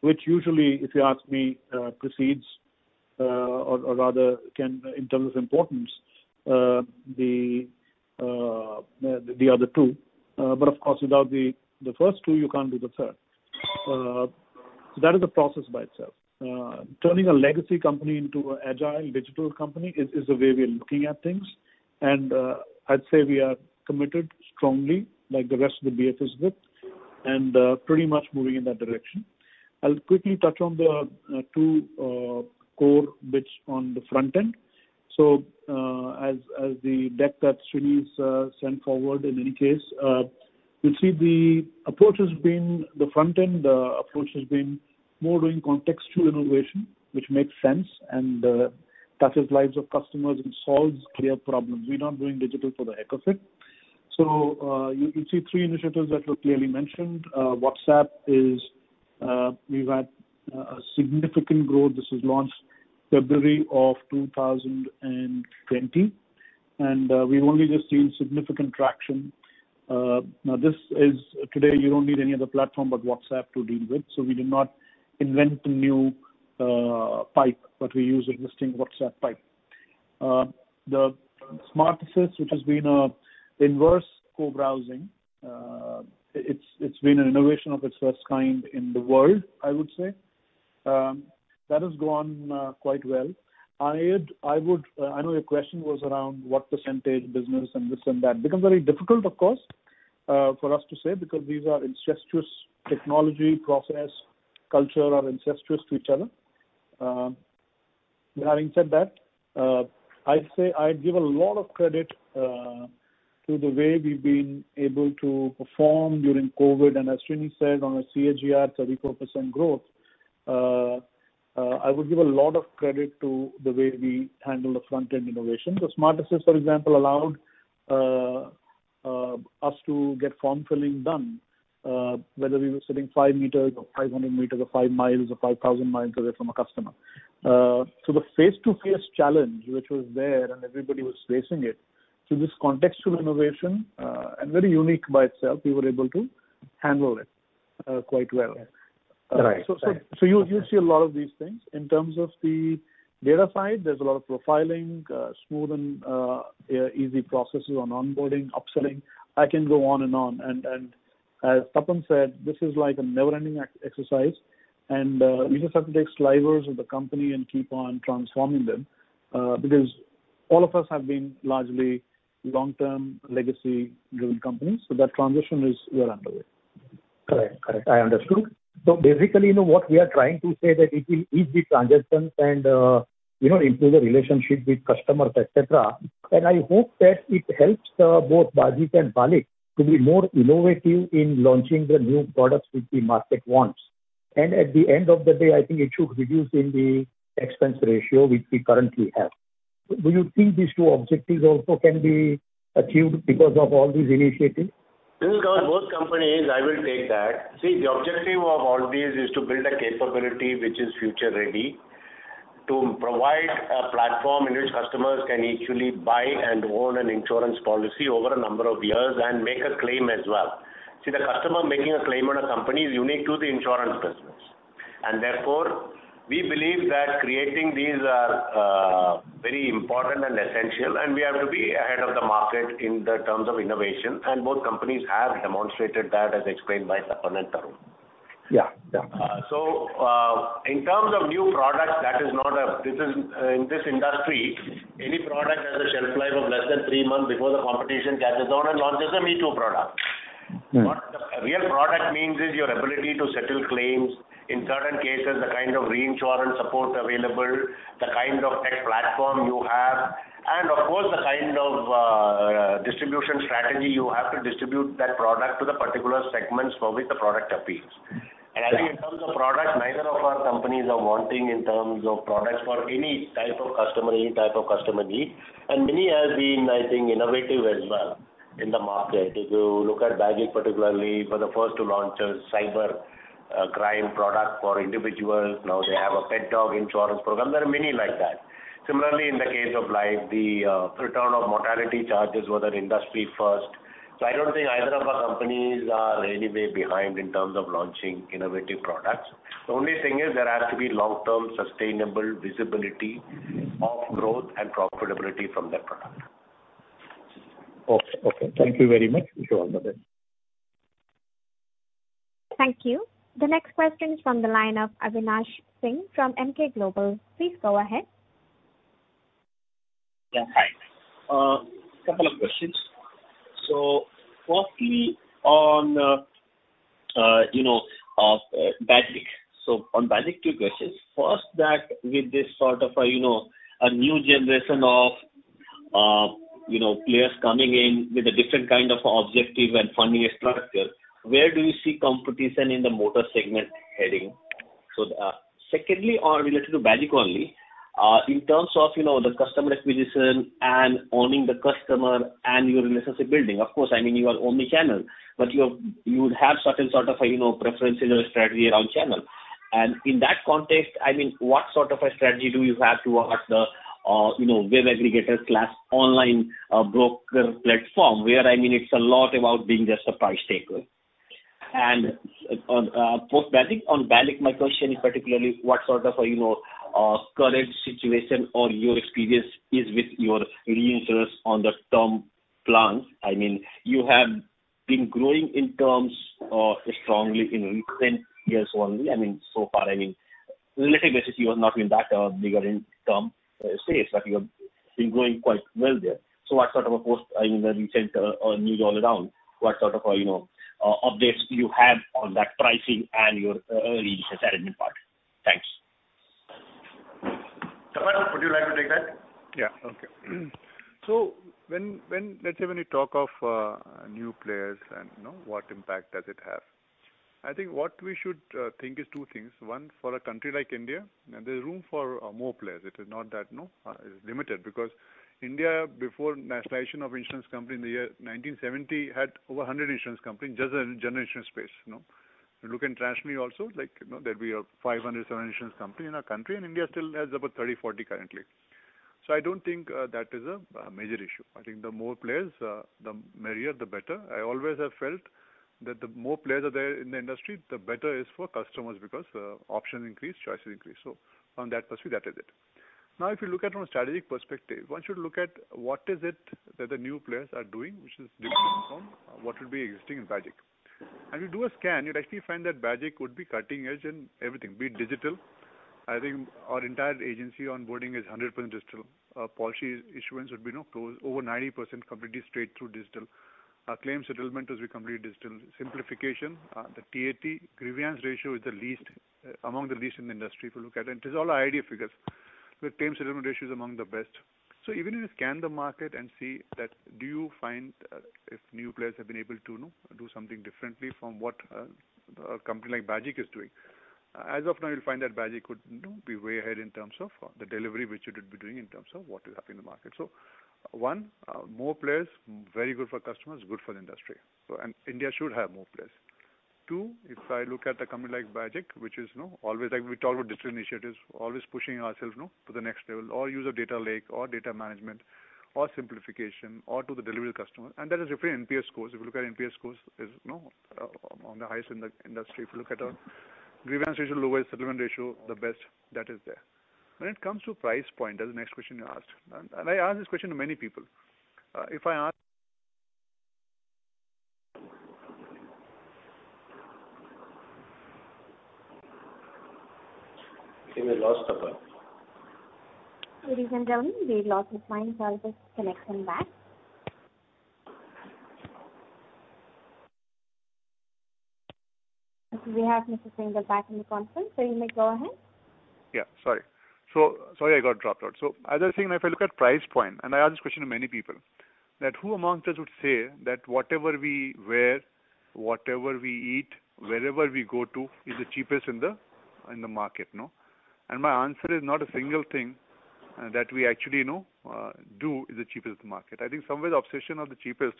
which usually, if you ask me, precedes or rather can in terms of importance the other two. Of course, without the first two you can't do the third. That is a process by itself. Turning a legacy company into an agile digital company is the way we are looking at things. I'd say we are committed strongly like the rest of the BFSI bit and pretty much moving in that direction. I'll quickly touch on the 2 core bits on the front end. As the deck that Srini's sent forward in any case, you'll see the approach has been the front end. The approach has been more doing contextual innovation, which makes sense and touches lives of customers and solves clear problems. We're not doing digital for the heck of it. You'll see 3 initiatives that were clearly mentioned. WhatsApp, we've had a significant growth. This was launched February of 2020, and we've only just seen significant traction. Now, this is today you don't need any other platform but WhatsApp to deal with, so we did not invent a new pipe, but we use existing WhatsApp pipe. The Smart Assist which has been an inverse co-browsing. It's been an innovation of its first kind in the world, I would say. That has gone quite well. I would, I know your question was around what percentage business and this and that. It becomes very difficult of course for us to say because these are incestuous, technology, process, culture are incestuous to each other. Having said that, I'd say I give a lot of credit to the way we've been able to perform during COVID. As Srini said, on a CAGR 34% growth, I would give a lot of credit to the way we handle the front end innovation. The Smart Assist, for example, allowed us to get form filling done, whether we were sitting five meters or 500 meters or five miles or 5,000 miles away from a customer. The face-to-face challenge which was there and everybody was facing it, through this contextual innovation, and very unique by itself, we were able to handle it, quite well. Right. Right. You'll see a lot of these things. In terms of the data side, there's a lot of profiling, smooth and easy processes on onboarding, upselling. I can go on and on and as Tapan said, this is like a never-ending exercise and we just have to take slivers of the company and keep on transforming them, because all of us have been largely long-term legacy driven companies, so that transition is well underway. Correct. I understood. Basically, you know, what we are trying to say that it will ease the transactions and, you know, improve the relationship with customers, et cetera. I hope that it helps, both Bajaj and BALIC to be more innovative in launching the new products which the market wants. At the end of the day, I think it should reduce in the expense ratio which we currently have. Do you think these two objectives also can be achieved because of all these initiatives? Since I'm on both companies, I will take that. See, the objective of all these is to build a capability which is future ready to provide a platform in which customers can easily buy and own an insurance policy over a number of years and make a claim as well. See, the customer making a claim on a company is unique to the insurance business, and therefore we believe that creating these are very important and essential and we have to be ahead of the market in terms of innovation and both companies have demonstrated that as explained by Tapan and Tarun. Yeah. Yeah. In terms of new products, this is, in this industry, any product has a shelf life of less than three months before the competition catches on and launches a me-too product. Mm-hmm. What the real product means is your ability to settle claims in certain cases, the kind of reinsurance support available, the kind of tech platform you have, and of course the kind of distribution strategy you have to distribute that product to the particular segments for which the product appeals. I think in terms of products, neither of our companies are wanting in terms of products for any type of customer, any type of customer need. Many have been, I think, innovative as well in the market. If you look at Bajaj particularly for the first to launch a cyber crime product for individuals. Now they have a pet dog insurance program. There are many like that. Similarly, in the case of life, the return of mortality charges were the industry first. I don't think either of our companies are in any way behind in terms of launching innovative products. The only thing is there has to be long-term sustainable visibility. Mm-hmm. of growth and profitability from that product. Okay. Thank you very much. Sure. Thank you. The next question is from the line of Avinash Singh from Emkay Global Financial Services. Please go ahead. Yeah, hi. A couple of questions. Firstly on, you know, Bajaj. On Bajaj, two questions. First, with this sort of a, you know, a new generation of, you know, players coming in with a different kind of objective and funding structure, where do you see competition in the motor segment heading? Secondly, one related to Bajaj only, in terms of, you know, the customer acquisition and owning the customer and your relationship building. Of course, I mean, you are omni-channel, but you have, you would have certain sort of a, you know, preference in your strategy around channel. In that context, I mean, what sort of a strategy do you have towards the, you know, web aggregator class online broker platform where, I mean, it's a lot about being just a price taker? On post-Bajaj, on Bajaj my question is particularly what sort of a, you know, current situation or your experience is with your reinsurers on the term plans. I mean, you have been growing in terms of strongly in recent years only. I mean, so far, I mean, relatively you have not been that bigger in term space, but you have been growing quite well there. So what sort of a post, I mean, the recent news all around, what sort of a, you know, updates do you have on that pricing and your reinsurance arrangement part? Thanks. Tapan, would you like to take that? Yeah. Okay. Let's say when you talk of new players and, you know, what impact does it have, I think what we should think is two things. One, for a country like India, there's room for more players. It is not that, you know, it's limited because India before nationalization of insurance company in the year 1970 had over 100 insurance companies just in general insurance space, you know. If you look internationally also, like, you know, there'd be 500, 700 insurance company in a country and India still has about 30, 40 currently. I don't think that is a major issue. I think the more players the merrier, the better. I always have felt that the more players are there in the industry, the better is for customers because options increase, choices increase. From that perspective, that is it. Now if you look at from a strategic perspective, one should look at what is it that the new players are doing which is different from what would be existing in Bajaj. You do a scan, you'd actually find that Bajaj would be cutting edge in everything, be it digital. I think our entire agency onboarding is 100% digital. Policy issuance would be, you know, over 90% completely straight through digital. Our claims settlement is completely digital. Simplification, the TAT grievance ratio is the least among the least in the industry if you look at it. It is all IRDAI figures, where claims settlement ratio is among the best. Even if you scan the market and see that, do you find if new players have been able to, you know, do something differently from what a company like Bajaj is doing. As of now you'll find that Bajaj could, you know, be way ahead in terms of the delivery which it would be doing in terms of what is happening in the market. One, more players, very good for customers, good for the industry and India should have more players. Two, if I look at a company like Bajaj, which is, you know, always like we talk about digital initiatives, always pushing ourselves, you know, to the next level or use of data lake or data management or simplification or to the delivery to customer. That is reflected in NPS scores. If you look at NPS scores is, you know, among the highest in the industry. If you look at our grievance ratio, lowest settlement ratio, the best that is there. When it comes to price point, that's the next question you asked. I ask this question to many people. If I ask- I think we lost Tapan. Ladies and gentlemen, we've lost Mr. Singh. I'll just connect him back. We have Mr. Singh back in the conference, so you may go ahead. Yeah, sorry. Sorry I got dropped out. As I was saying, if I look at price point, and I ask this question to many people that who amongst us would say that whatever we wear, whatever we eat, wherever we go to is the cheapest in the market, no? My answer is not a single thing that we actually, you know, do is the cheapest in the market. I think somewhere the obsession of the cheapest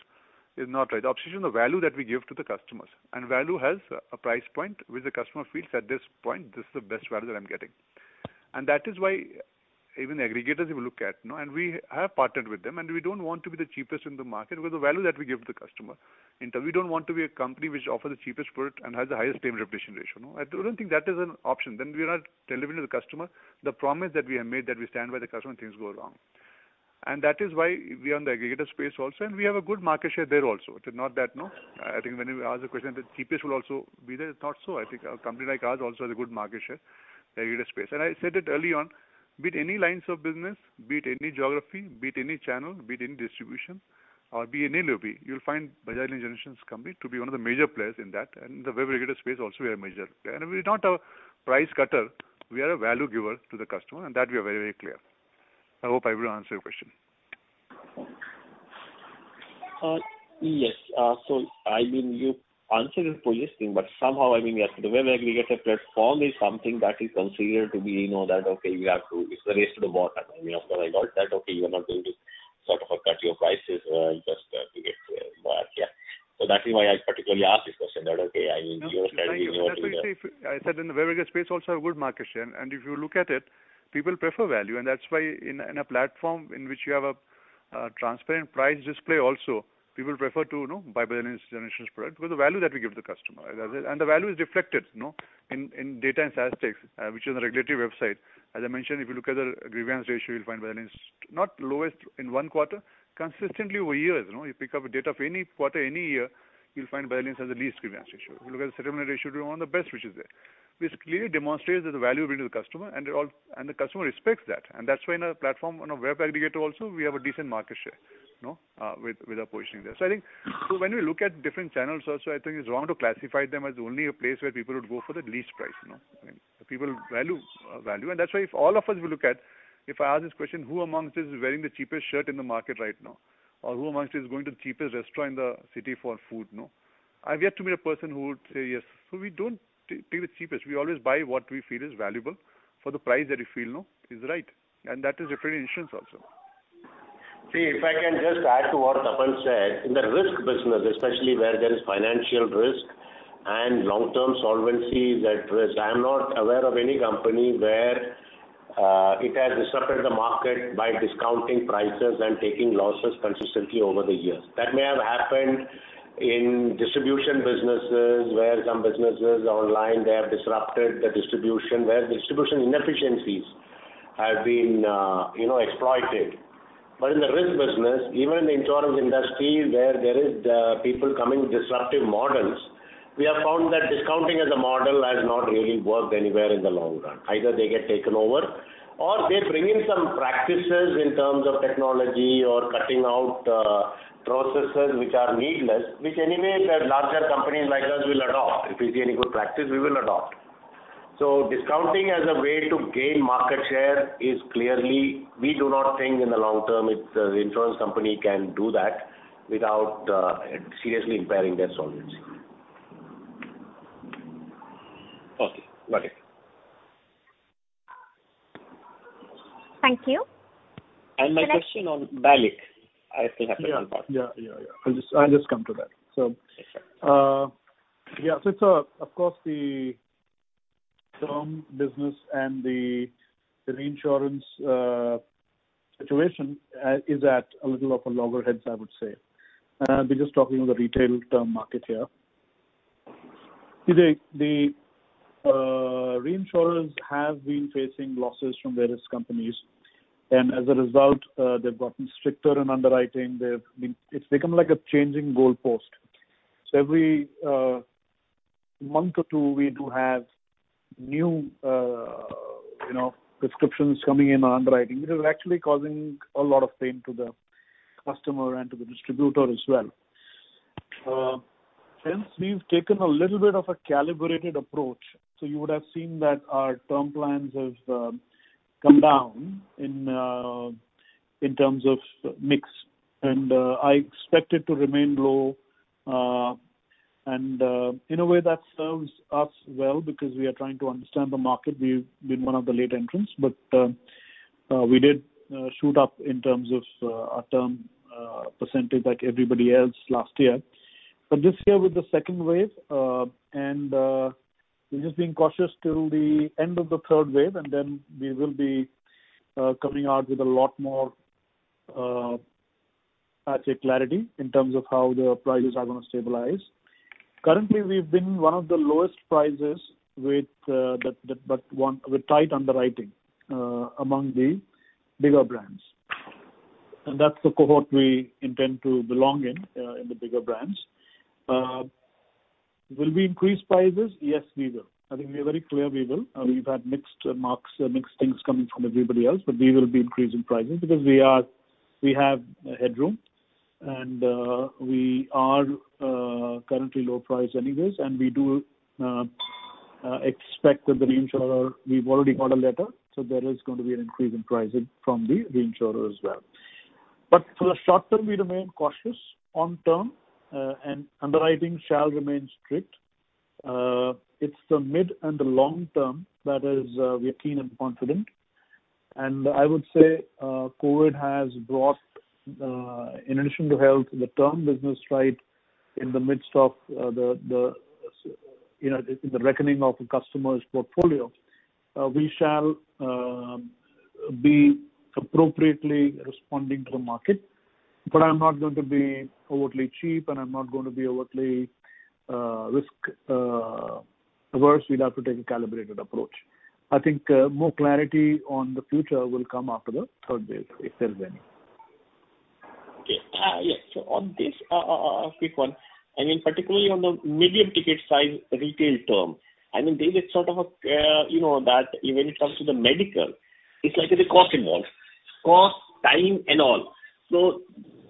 is not right. The obsession of value that we give to the customers and value has a price point which the customer feels at this point, this is the best value that I'm getting. That is why even the aggregators if you look at, you know, and we have partnered with them, and we don't want to be the cheapest in the market with the value that we give to the customer. In fact we don't want to be a company which offers the cheapest product and has the highest claim rejection ratio, no. I don't think that is an option. We are not delivering to the customer the promise that we have made that we stand by the customer when things go wrong. That is why we are on the aggregator space also, and we have a good market share there also. It is not that, no, I think when you ask the question that cheapest will also be there. It's not so. I think a company like ours also has a good market share in the aggregator space. I said it early on, be it any lines of business, be it any geography, be it any channel, be it any distribution or be any LOB, you'll find Bajaj Allianz General Insurance Company to be one of the major players in that. The web aggregator space also we are major. We're not a price cutter, we are a value giver to the customer, and that we are very, very clear. I hope I've been able to answer your question. Yes. I mean you answered it fully, I think. Somehow, I mean, as to the web aggregator platform is something that is considered to be, you know, that it's the race to the bottom. I mean, of course I got that, okay, you are not going to sort of cut your prices, just to get more. Yeah. That is why I particularly asked this question that okay, I mean your strategy- No. That's why I say I said in the web aggregator space also a good market share. If you look at it, people prefer value. That's why in a platform in which you have a transparent price display also, people prefer to, you know, buy Bajaj Allianz General Insurance product with the value that we give the customer. The value is reflected, you know, in data and statistics, which is on the regulatory website. As I mentioned, if you look at the grievance ratio, you'll find Bajaj Allianz not lowest in one quarter, consistently over years, you know. You pick up a data of any quarter, any year, you'll find Bajaj Allianz has the least grievance ratio. You look at the settlement ratio, we're one of the best which is there, which clearly demonstrates that the value we bring to the customer and the customer respects that. That's why in a platform on a web aggregator also we have a decent market share, you know, with our positioning there. I think when we look at different channels also, I think it's wrong to classify them as only a place where people would go for the least price, you know. I mean, the people value. That's why if all of us will look at, if I ask this question, who amongst us is wearing the cheapest shirt in the market right now? Who amongst us is going to the cheapest restaurant in the city for food, no? I've yet to meet a person who would say yes. We don't take the cheapest. We always buy what we feel is valuable for the price that we feel is right and that is reflected in insurance also. See, if I can just add to what Tapan said. In the risk business, especially where there is financial risk and long-term solvency is at risk, I am not aware of any company where It has disrupted the market by discounting prices and taking losses consistently over the years. That may have happened in distribution businesses where some businesses online, they have disrupted the distribution, where distribution inefficiencies have been, you know, exploited. In the risk business, even in the insurance industry, where there is the people coming with disruptive models, we have found that discounting as a model has not really worked anywhere in the long run. Either they get taken over or they bring in some practices in terms of technology or cutting out, processes which are needless, which anyway the larger companies like us will adopt. If we see any good practice, we will adopt. Discounting as a way to gain market share is clearly we do not think in the long term it, the insurance company can do that without seriously impairing their solvency. Okay, got it. Thank you. My question on BALIC, I still have to Yeah. I'll just come to that. Of course, the term business and the reinsurance situation is at loggerheads, I would say. We're just talking on the retail term market here. See, the reinsurers have been facing losses from various companies, and as a result, they've gotten stricter in underwriting. It's become like a changing goal post. Every month or two we do have new, you know, prescriptions coming in on underwriting, which is actually causing a lot of pain to the customer and to the distributor as well. Since we've taken a little bit of a calibrated approach, you would have seen that our term plans have come down in terms of mix and I expect it to remain low. In a way that serves us well because we are trying to understand the market. We've been one of the late entrants, but we did shoot up in terms of our term percentage like everybody else last year. This year with the second wave and we're just being cautious till the end of the third wave, and then we will be coming out with a lot more, I'd say clarity in terms of how the prices are gonna stabilize. Currently, we've been one of the lowest prices with the best one with tight underwriting among the bigger brands. That's the cohort we intend to belong in in the bigger brands. Will we increase prices? Yes, we will. I think we are very clear we will. We've had mixed remarks, mixed things coming from everybody else. We will be increasing prices because we have headroom and we are currently low price anyways. We do expect that the reinsurer, we've already got a letter, so there is going to be an increase in pricing from the reinsurer as well. For the short term, we remain cautious on term and underwriting shall remain strict. It's the mid and the long term that we are keen and confident. I would say, COVID has brought, in addition to health, the term business right in the midst of the you know, reckoning of a customer's portfolio. We shall be appropriately responding to the market, but I'm not going to be overtly cheap, and I'm not going to be overtly risk averse. We'll have to take a calibrated approach. I think, more clarity on the future will come after the third wave, if there's any. Okay. Yes. On this quick one, I mean, particularly on the medium ticket size retail term, I mean, there is a sort of a, you know, that when it comes to the medical, it's like there's a cost involved. Cost, time and all.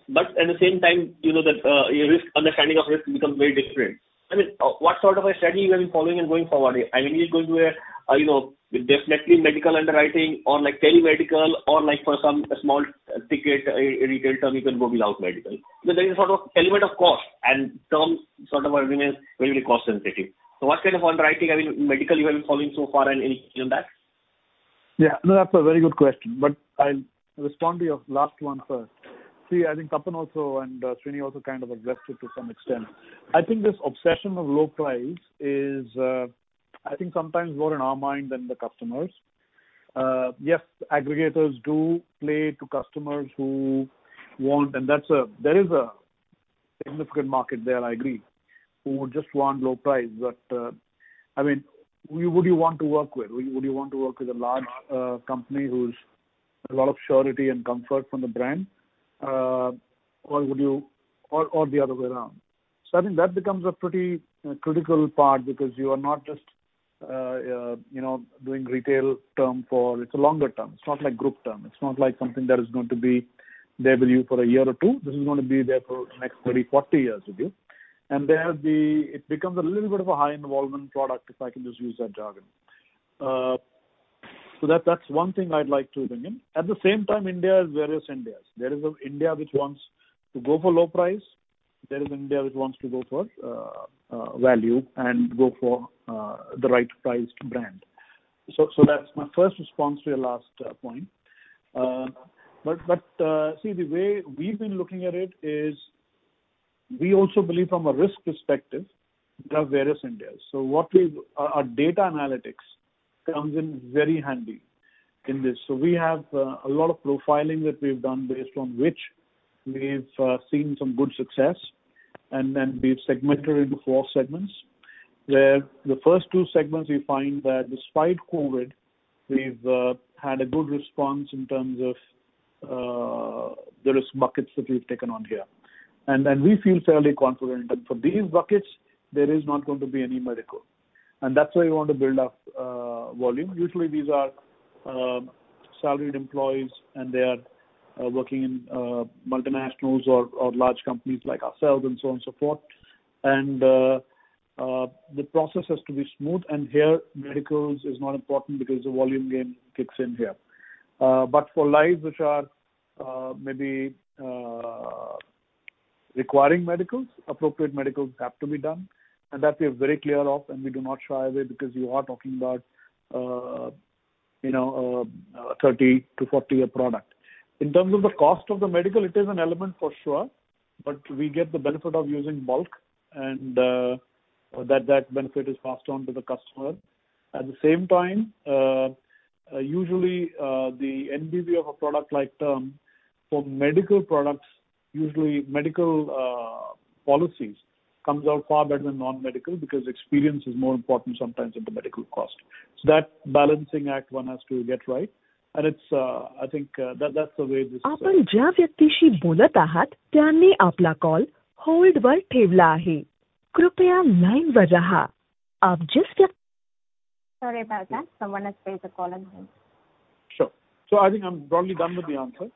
But at the same time, you know that your risk understanding of risk becomes very different. I mean, what sort of a strategy you have been following and going forward? I mean, is it going to be a, you know, definitely medical underwriting or like tele-medical or like for some small ticket, a retail term, you can go without medical. But there is a sort of element of cost and term sort of remains very, very cost sensitive. What kind of underwriting, I mean, medical you have been following so far and any change on that? Yeah. No, that's a very good question, but I'll respond to your last one first. See, I think Tapan also and Srini also kind of addressed it to some extent. I think this obsession of low price is, I think sometimes more in our mind than the customers. Yes, aggregators do play to customers who want, and there is a significant market there, I agree, who just want low price. I mean, who would you want to work with? Would you want to work with a large company which has a lot of surety and comfort from the brand? Or would you, or the other way around? I think that becomes a pretty critical part because you are not just, you know, doing retail term for it's a longer term. It's not like group term. It's not like something that is going to be there with you for a year or two. This is going to be there for the next 30, 40 years with you. There it becomes a little bit of a high involvement product, if I can just use that jargon. That's one thing I'd like to bring in. At the same time, India is various Indias. There is an India which wants to go for low price. There is an India which wants to go for value and go for the right priced brand. That's my first response to your last point. See, the way we've been looking at it is we also believe from a risk perspective there are various endeavors. Our data analytics comes in very handy in this. We have a lot of profiling that we've done based on which we've seen some good success, and then we've segmented into four segments. Where the first two segments we find that despite COVID, we've had a good response in terms of the risk buckets that we've taken on here. Then we feel fairly confident that for these buckets there is not going to be any medical. That's why we want to build up volume. Usually these are salaried employees and they are working in multinationals or large companies like ourselves and so on and so forth. The process has to be smooth, and here medicals is not important because the volume gain kicks in here. For lives which are maybe requiring medicals, appropriate medicals have to be done, and that we are very clear of and we do not shy away because you are talking about, you know, a 30-40 year product. In terms of the cost of the medical, it is an element for sure, but we get the benefit of using bulk and that benefit is passed on to the customer. At the same time, usually, the NPV of a product like term for medical products, usually medical policies comes out far better than non-medical because experience is more important sometimes than the medical cost. That balancing act one has to get right. It's, I think, that's the way this is. Sorry about that. Someone has placed a call on hold. Sure. I think I'm probably done with the answer.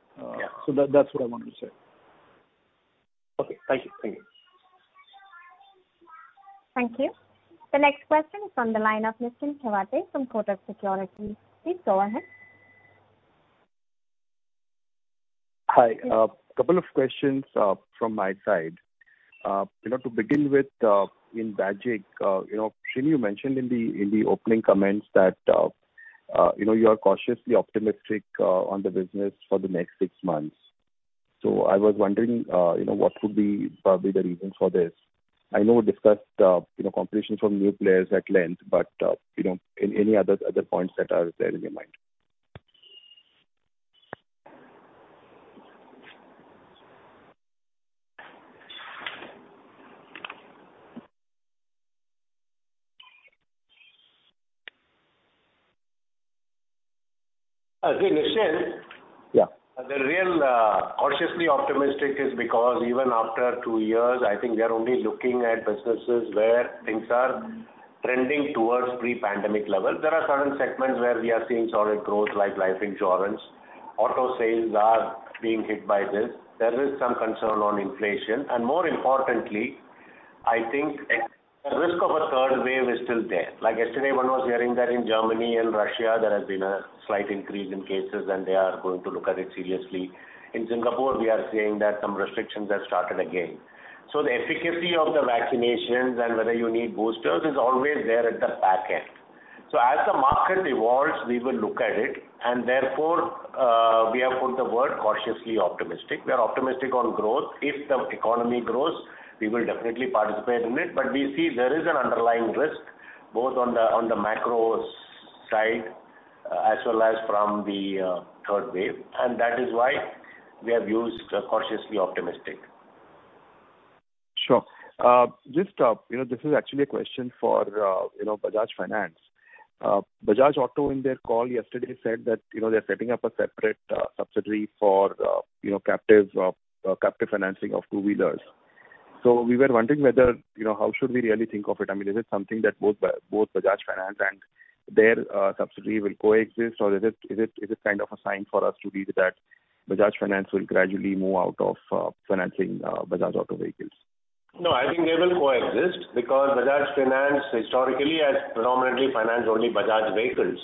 That's what I wanted to say. Okay. Thank you. The next question is from the line of Nischint Chawathe from Kotak Securities. Please go ahead. Hi. Couple of questions from my side. To begin with, in BAGIC, Srini, you mentioned in the opening comments that you know, you are cautiously optimistic on the business for the next six months. I was wondering, you know, what could be probably the reason for this. I know we discussed, you know, competition from new players at length, but you know, any other points that are there in your mind? Hey, Nischint. Yeah. The real cautiously optimistic is because even after two years, I think we are only looking at businesses where things are trending towards pre-pandemic levels. There are certain segments where we are seeing solid growth like life insurance. Auto sales are being hit by this. There is some concern on inflation. More importantly, I think the risk of a third wave is still there. Like yesterday one was hearing that in Germany and Russia there has been a slight increase in cases and they are going to look at it seriously. In Singapore we are seeing that some restrictions have started again. The efficacy of the vaccinations and whether you need boosters is always there at the back of the mind. As the market evolves, we will look at it and therefore we have put the word cautiously optimistic. We are optimistic on growth. If the economy grows, we will definitely participate in it. We see there is an underlying risk both on the macro side, as well as from the third wave, and that is why we have used cautiously optimistic. Sure. Just, you know, this is actually a question for, you know, Bajaj Finance. Bajaj Auto in their call yesterday said that, you know, they're setting up a separate subsidiary for, you know, captive financing of two-wheelers. We were wondering whether, you know, how should we really think of it? I mean, is it something that both Bajaj Finance and their subsidiary will coexist, or is it kind of a sign for us to read that Bajaj Finance will gradually move out of financing Bajaj Auto vehicles? No, I think they will coexist because Bajaj Finance historically has predominantly financed only Bajaj vehicles.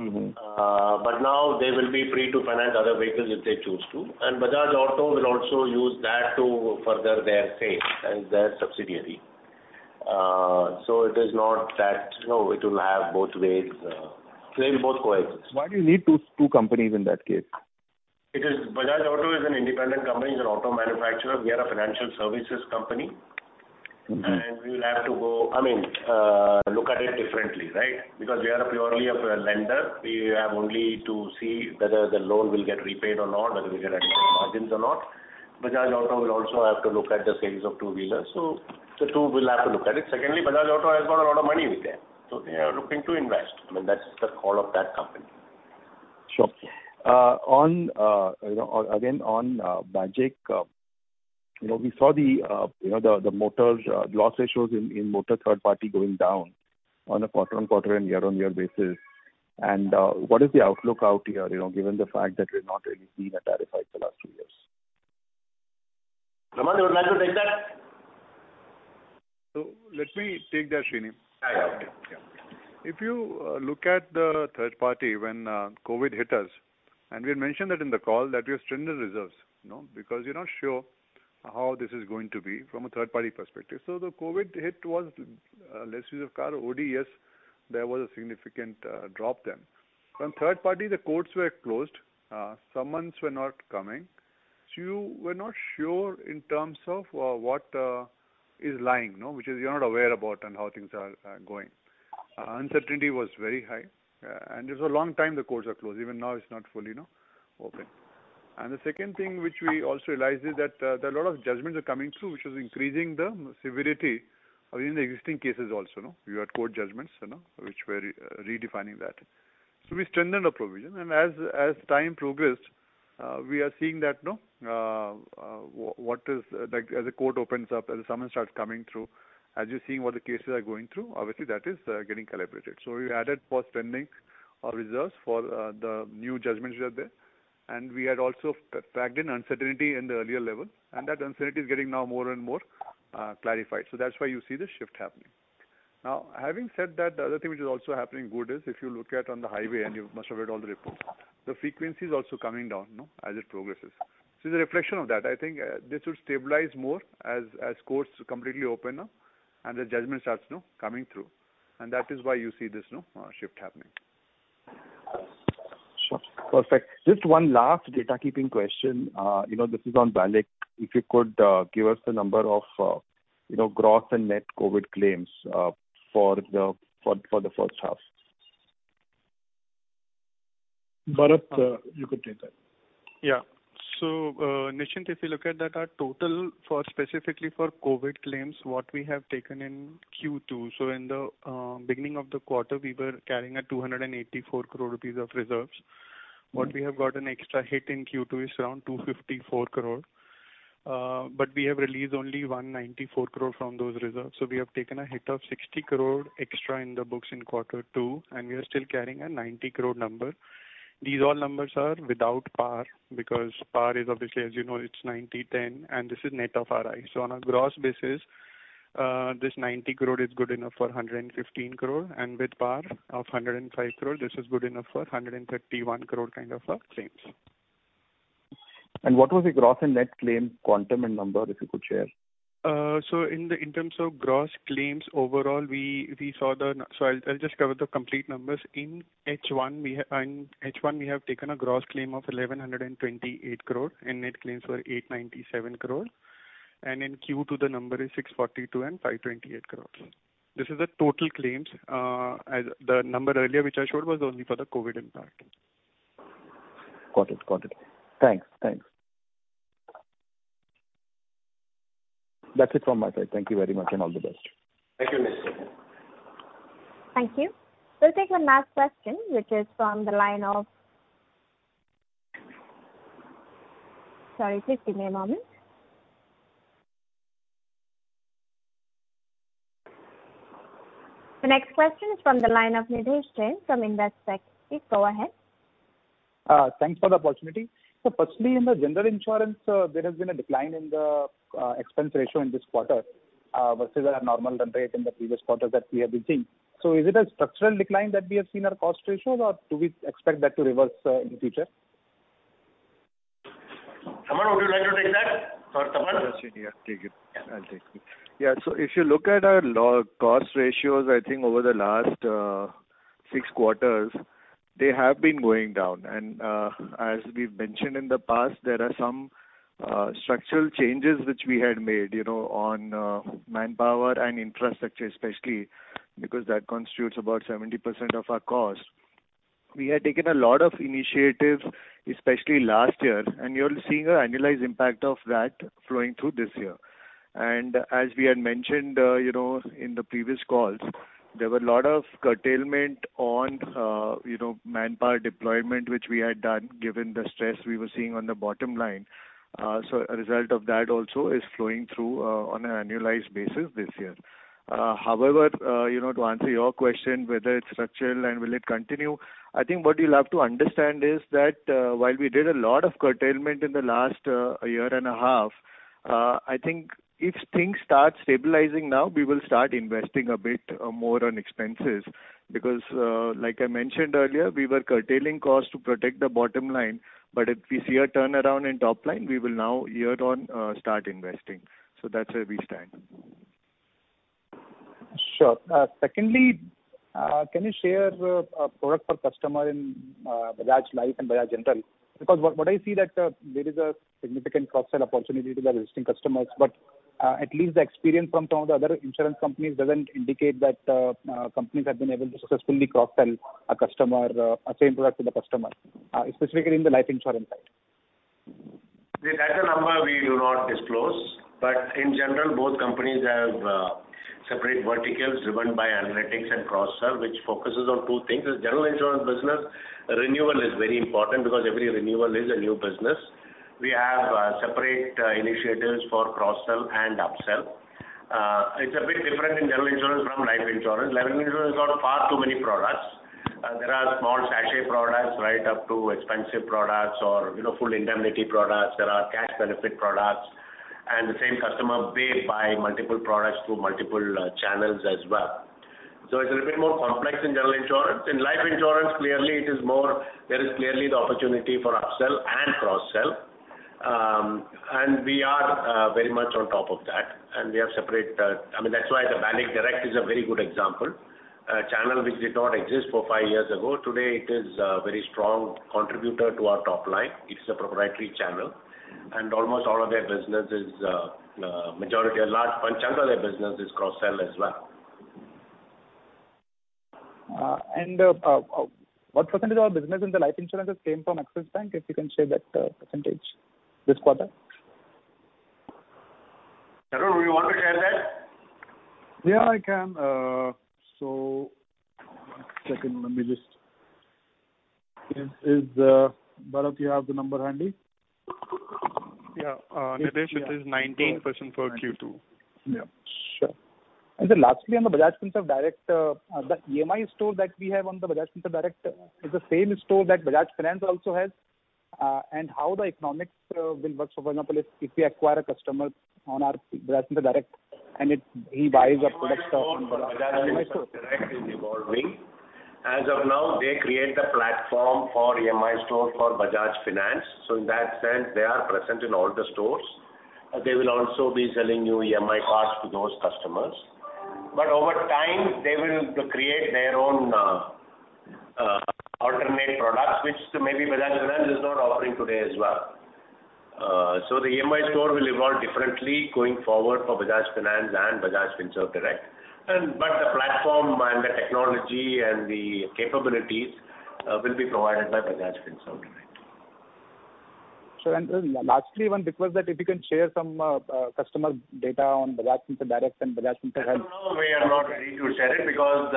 Mm-hmm. now they will be free to finance other vehicles if they choose to, and Bajaj Auto will also use that to further their sales and their subsidiary. It is not that, you know, it will have both ways. It will both coexist. Why do you need two companies in that case? Bajaj Auto is an independent company, it's an auto manufacturer. We are a financial services company. Mm-hmm. We will have to look at it differently, right? Because we are purely a lender. We have only to see whether the loan will get repaid or not, whether we get adequate margins or not. Bajaj Auto will also have to look at the sales of two-wheelers. The two will have to look at it. Secondly, Bajaj Auto has got a lot of money with them, so they are looking to invest. I mean, that's the call of that company. Sure. On BAGIC, you know, we saw the motors loss ratios in motor third party going down on a quarter-on-quarter and year-on-year basis. What is the outlook out here, you know, given the fact that we've not really seen a tariff hike for the last two years? Raman, would you like to take that? Let me take that, Srini. All right. Okay. Yeah. If you look at the third party when COVID hit us, and we had mentioned that in the call that we have strengthened the reserves, you know, because you're not sure how this is going to be from a third party perspective. The COVID hit was less use of car OD, yes, there was a significant drop then. On third party, the courts were closed, summons were not coming. You were not sure in terms of what is lying, no, which is you're not aware about and how things are going. Uncertainty was very high, and it was a long time the courts are closed. Even now it's not fully, you know, open. The second thing which we also realized is that, there are a lot of judgments are coming through which is increasing the severity of even the existing cases also, no. You had court judgments, you know, which were redefining that. We strengthened the provision and as time progressed, we are seeing that, you know, what is like as the court opens up, as the summons starts coming through, as you're seeing what the cases are going through, obviously that is getting calibrated. We added for spending our reserves for the new judgments which are there. We had also factored in uncertainty in the earlier level and that uncertainty is getting now more and more clarified. That's why you see the shift happening. Now, having said that, the other thing which is also happening good is if you look at on the highway and you must have read all the reports, the frequency is also coming down, you know, as it progresses. This is a reflection of that. I think this should stabilize more as courts completely open and the judgment starts, you know, coming through. That is why you see this, you know, shift happening. Sure. Perfect. Just one last housekeeping question. You know, this is on BALIC. If you could give us the number of, you know, gross and net COVID-19 claims for the first half. Bharat, you could take that. Yeah. Nischint, if you look at that, our total specifically for COVID claims, what we have taken in Q2, in the beginning of the quarter we were carrying 284 crore rupees of reserves. What we have got an extra hit in Q2 is around 254 crore. But we have released only 194 crore from those reserves. We have taken a hit of 60 crore extra in the books in quarter two and we are still carrying a 90 crore number. These all numbers are without PAR because PAR is obviously, as you know, it's 90-10 and this is net of RI. On a gross basis, this 90 crore is good enough for 115 crore and with PAR of 105 crore this is good enough for 131 crore kind of claims. What was the gross and net claim quantum and number, if you could share? In terms of gross claims overall, I'll just cover the complete numbers. In H1 we have taken a gross claim of 1,128 crore and net claims were 897 crore. In Q2 the number is 642 crore and 528 crore. This is the total claims. As the number earlier which I showed was only for the COVID impact. Got it. Thanks. That's it from my side. Thank you very much and all the best. Thank you, Nischint. Thank you. We'll take one last question. Sorry, just give me a moment. The next question is from the line of Nidhesh Jain from Investec. Please go ahead. Thanks for the opportunity. First, in the general insurance, there has been a decline in the expense ratio in this quarter versus our normal run rate in the previous quarter that we have been seeing. Is it a structural decline that we have seen our cost ratio or do we expect that to reverse in the future? Ramandeep Singh Sahni, would you like to take that? Sorry, Ramandeep Singh Sahni? Sure thing, yeah. Take it. I'll take it. Yeah. If you look at our low-cost ratios, I think over the last 6 quarters they have been going down. As we've mentioned in the past, there are some structural changes which we had made, you know, on manpower and infrastructure especially because that constitutes about 70% of our cost. We had taken a lot of initiatives especially last year, and you're seeing an annualized impact of that flowing through this year. As we had mentioned, you know, in the previous calls, there were a lot of curtailment on you know, manpower deployment, which we had done given the stress we were seeing on the bottom line. A result of that also is flowing through on an annualized basis this year. However, you know, to answer your question whether it's structural and will it continue, I think what you'll have to understand is that, while we did a lot of curtailment in the last year and a half, I think if things start stabilizing now we will start investing a bit more on expenses because, like I mentioned earlier, we were curtailing costs to protect the bottom line. But if we see a turnaround in top line, we will now year on year start investing. That's where we stand. Sure. Secondly, can you share a product for customer in Bajaj Life and Bajaj General? Because what I see that there is a significant cross-sell opportunity to the existing customers, but at least the experience from some of the other insurance companies doesn't indicate that companies have been able to successfully cross-sell a customer a same product to the customer, specifically in the life insurance side. That's a number we do not disclose. In general, both companies have separate verticals driven by analytics and cross-sell, which focuses on two things. In general insurance business, renewal is very important because every renewal is a new business. We have separate initiatives for cross-sell and up-sell. It's a bit different in general insurance from life insurance. Life insurance has got far too many products. There are small sachet products right up to expensive products or, you know, full indemnity products. There are cash benefit products and the same customer may buy multiple products through multiple channels as well. It's a little bit more complex in general insurance. In life insurance, clearly it is more. There is clearly the opportunity for up-sell and cross-sell. We are very much on top of that, and we have separate. I mean, that's why the BALIC Direct is a very good example. A channel which did not exist five years ago, today it is a very strong contributor to our top line. It's a proprietary channel, and almost all of their business is majority or large chunk of their business is cross-sell as well. What percentage of business in the life insurance has came from Axis Bank, if you can share that, percentage this quarter? Tarun, do you want to share that? Yeah, I can. One second. Bharat, you have the number handy? Yeah. Nidhesh, it is 19% for Q2. Yeah. Sure. Lastly, on the Bajaj Finserv Direct, the EMI store that we have on the Bajaj Finserv Direct is the same store that Bajaj Finance also has, and how the economics will work. For example, if we acquire a customer on our Bajaj Finserv Direct and he buys a product- The EMI store for Bajaj Finserv Direct is evolving. As of now, they create the platform for EMI store for Bajaj Finance. In that sense, they are present in all the stores. They will also be selling new EMI cards to those customers. Over time, they will create their own alternate products which maybe Bajaj Finance is not offering today as well. The EMI store will evolve differently going forward for Bajaj Finance and Bajaj Finserv Direct. The platform and the technology and the capabilities will be provided by Bajaj Finserv Direct. Sure. Lastly, one request that if you can share some customer data on Bajaj Finserv Direct and Bajaj Finserv- For now we are not ready to share it because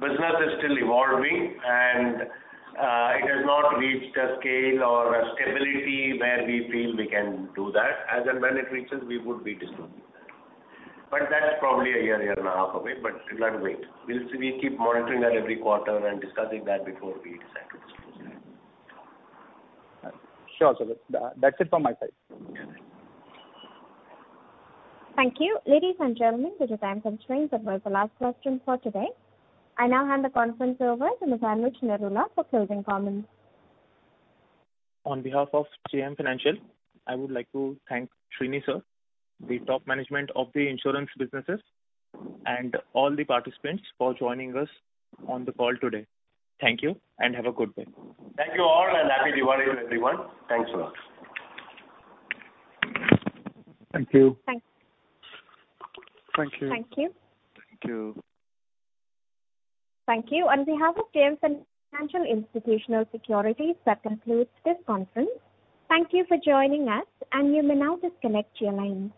the business is still evolving and it has not reached a scale or a stability where we feel we can do that. As and when it reaches, we would be disclosing that. That's probably a year and a half away. You'll have to wait. We'll see. We keep monitoring that every quarter and discussing that before we decide to disclose that. Sure, sir. That's it from my side. Okay. Thank you. Ladies and gentlemen, due to time constraints, that was the last question for today. I now hand the conference over to Mr. Anuj Narula for closing comments. On behalf of JM Financial, I would like to thank Srini, sir, the top management of the insurance businesses, and all the participants for joining us on the call today. Thank you, and have a good day. Thank you all, and happy Diwali to everyone. Thanks a lot. Thank you. Thanks. Thank you. Thank you. Thank you. Thank you. On behalf of JM Financial Institutional Securities, that concludes this conference. Thank you for joining us, and you may now disconnect your lines.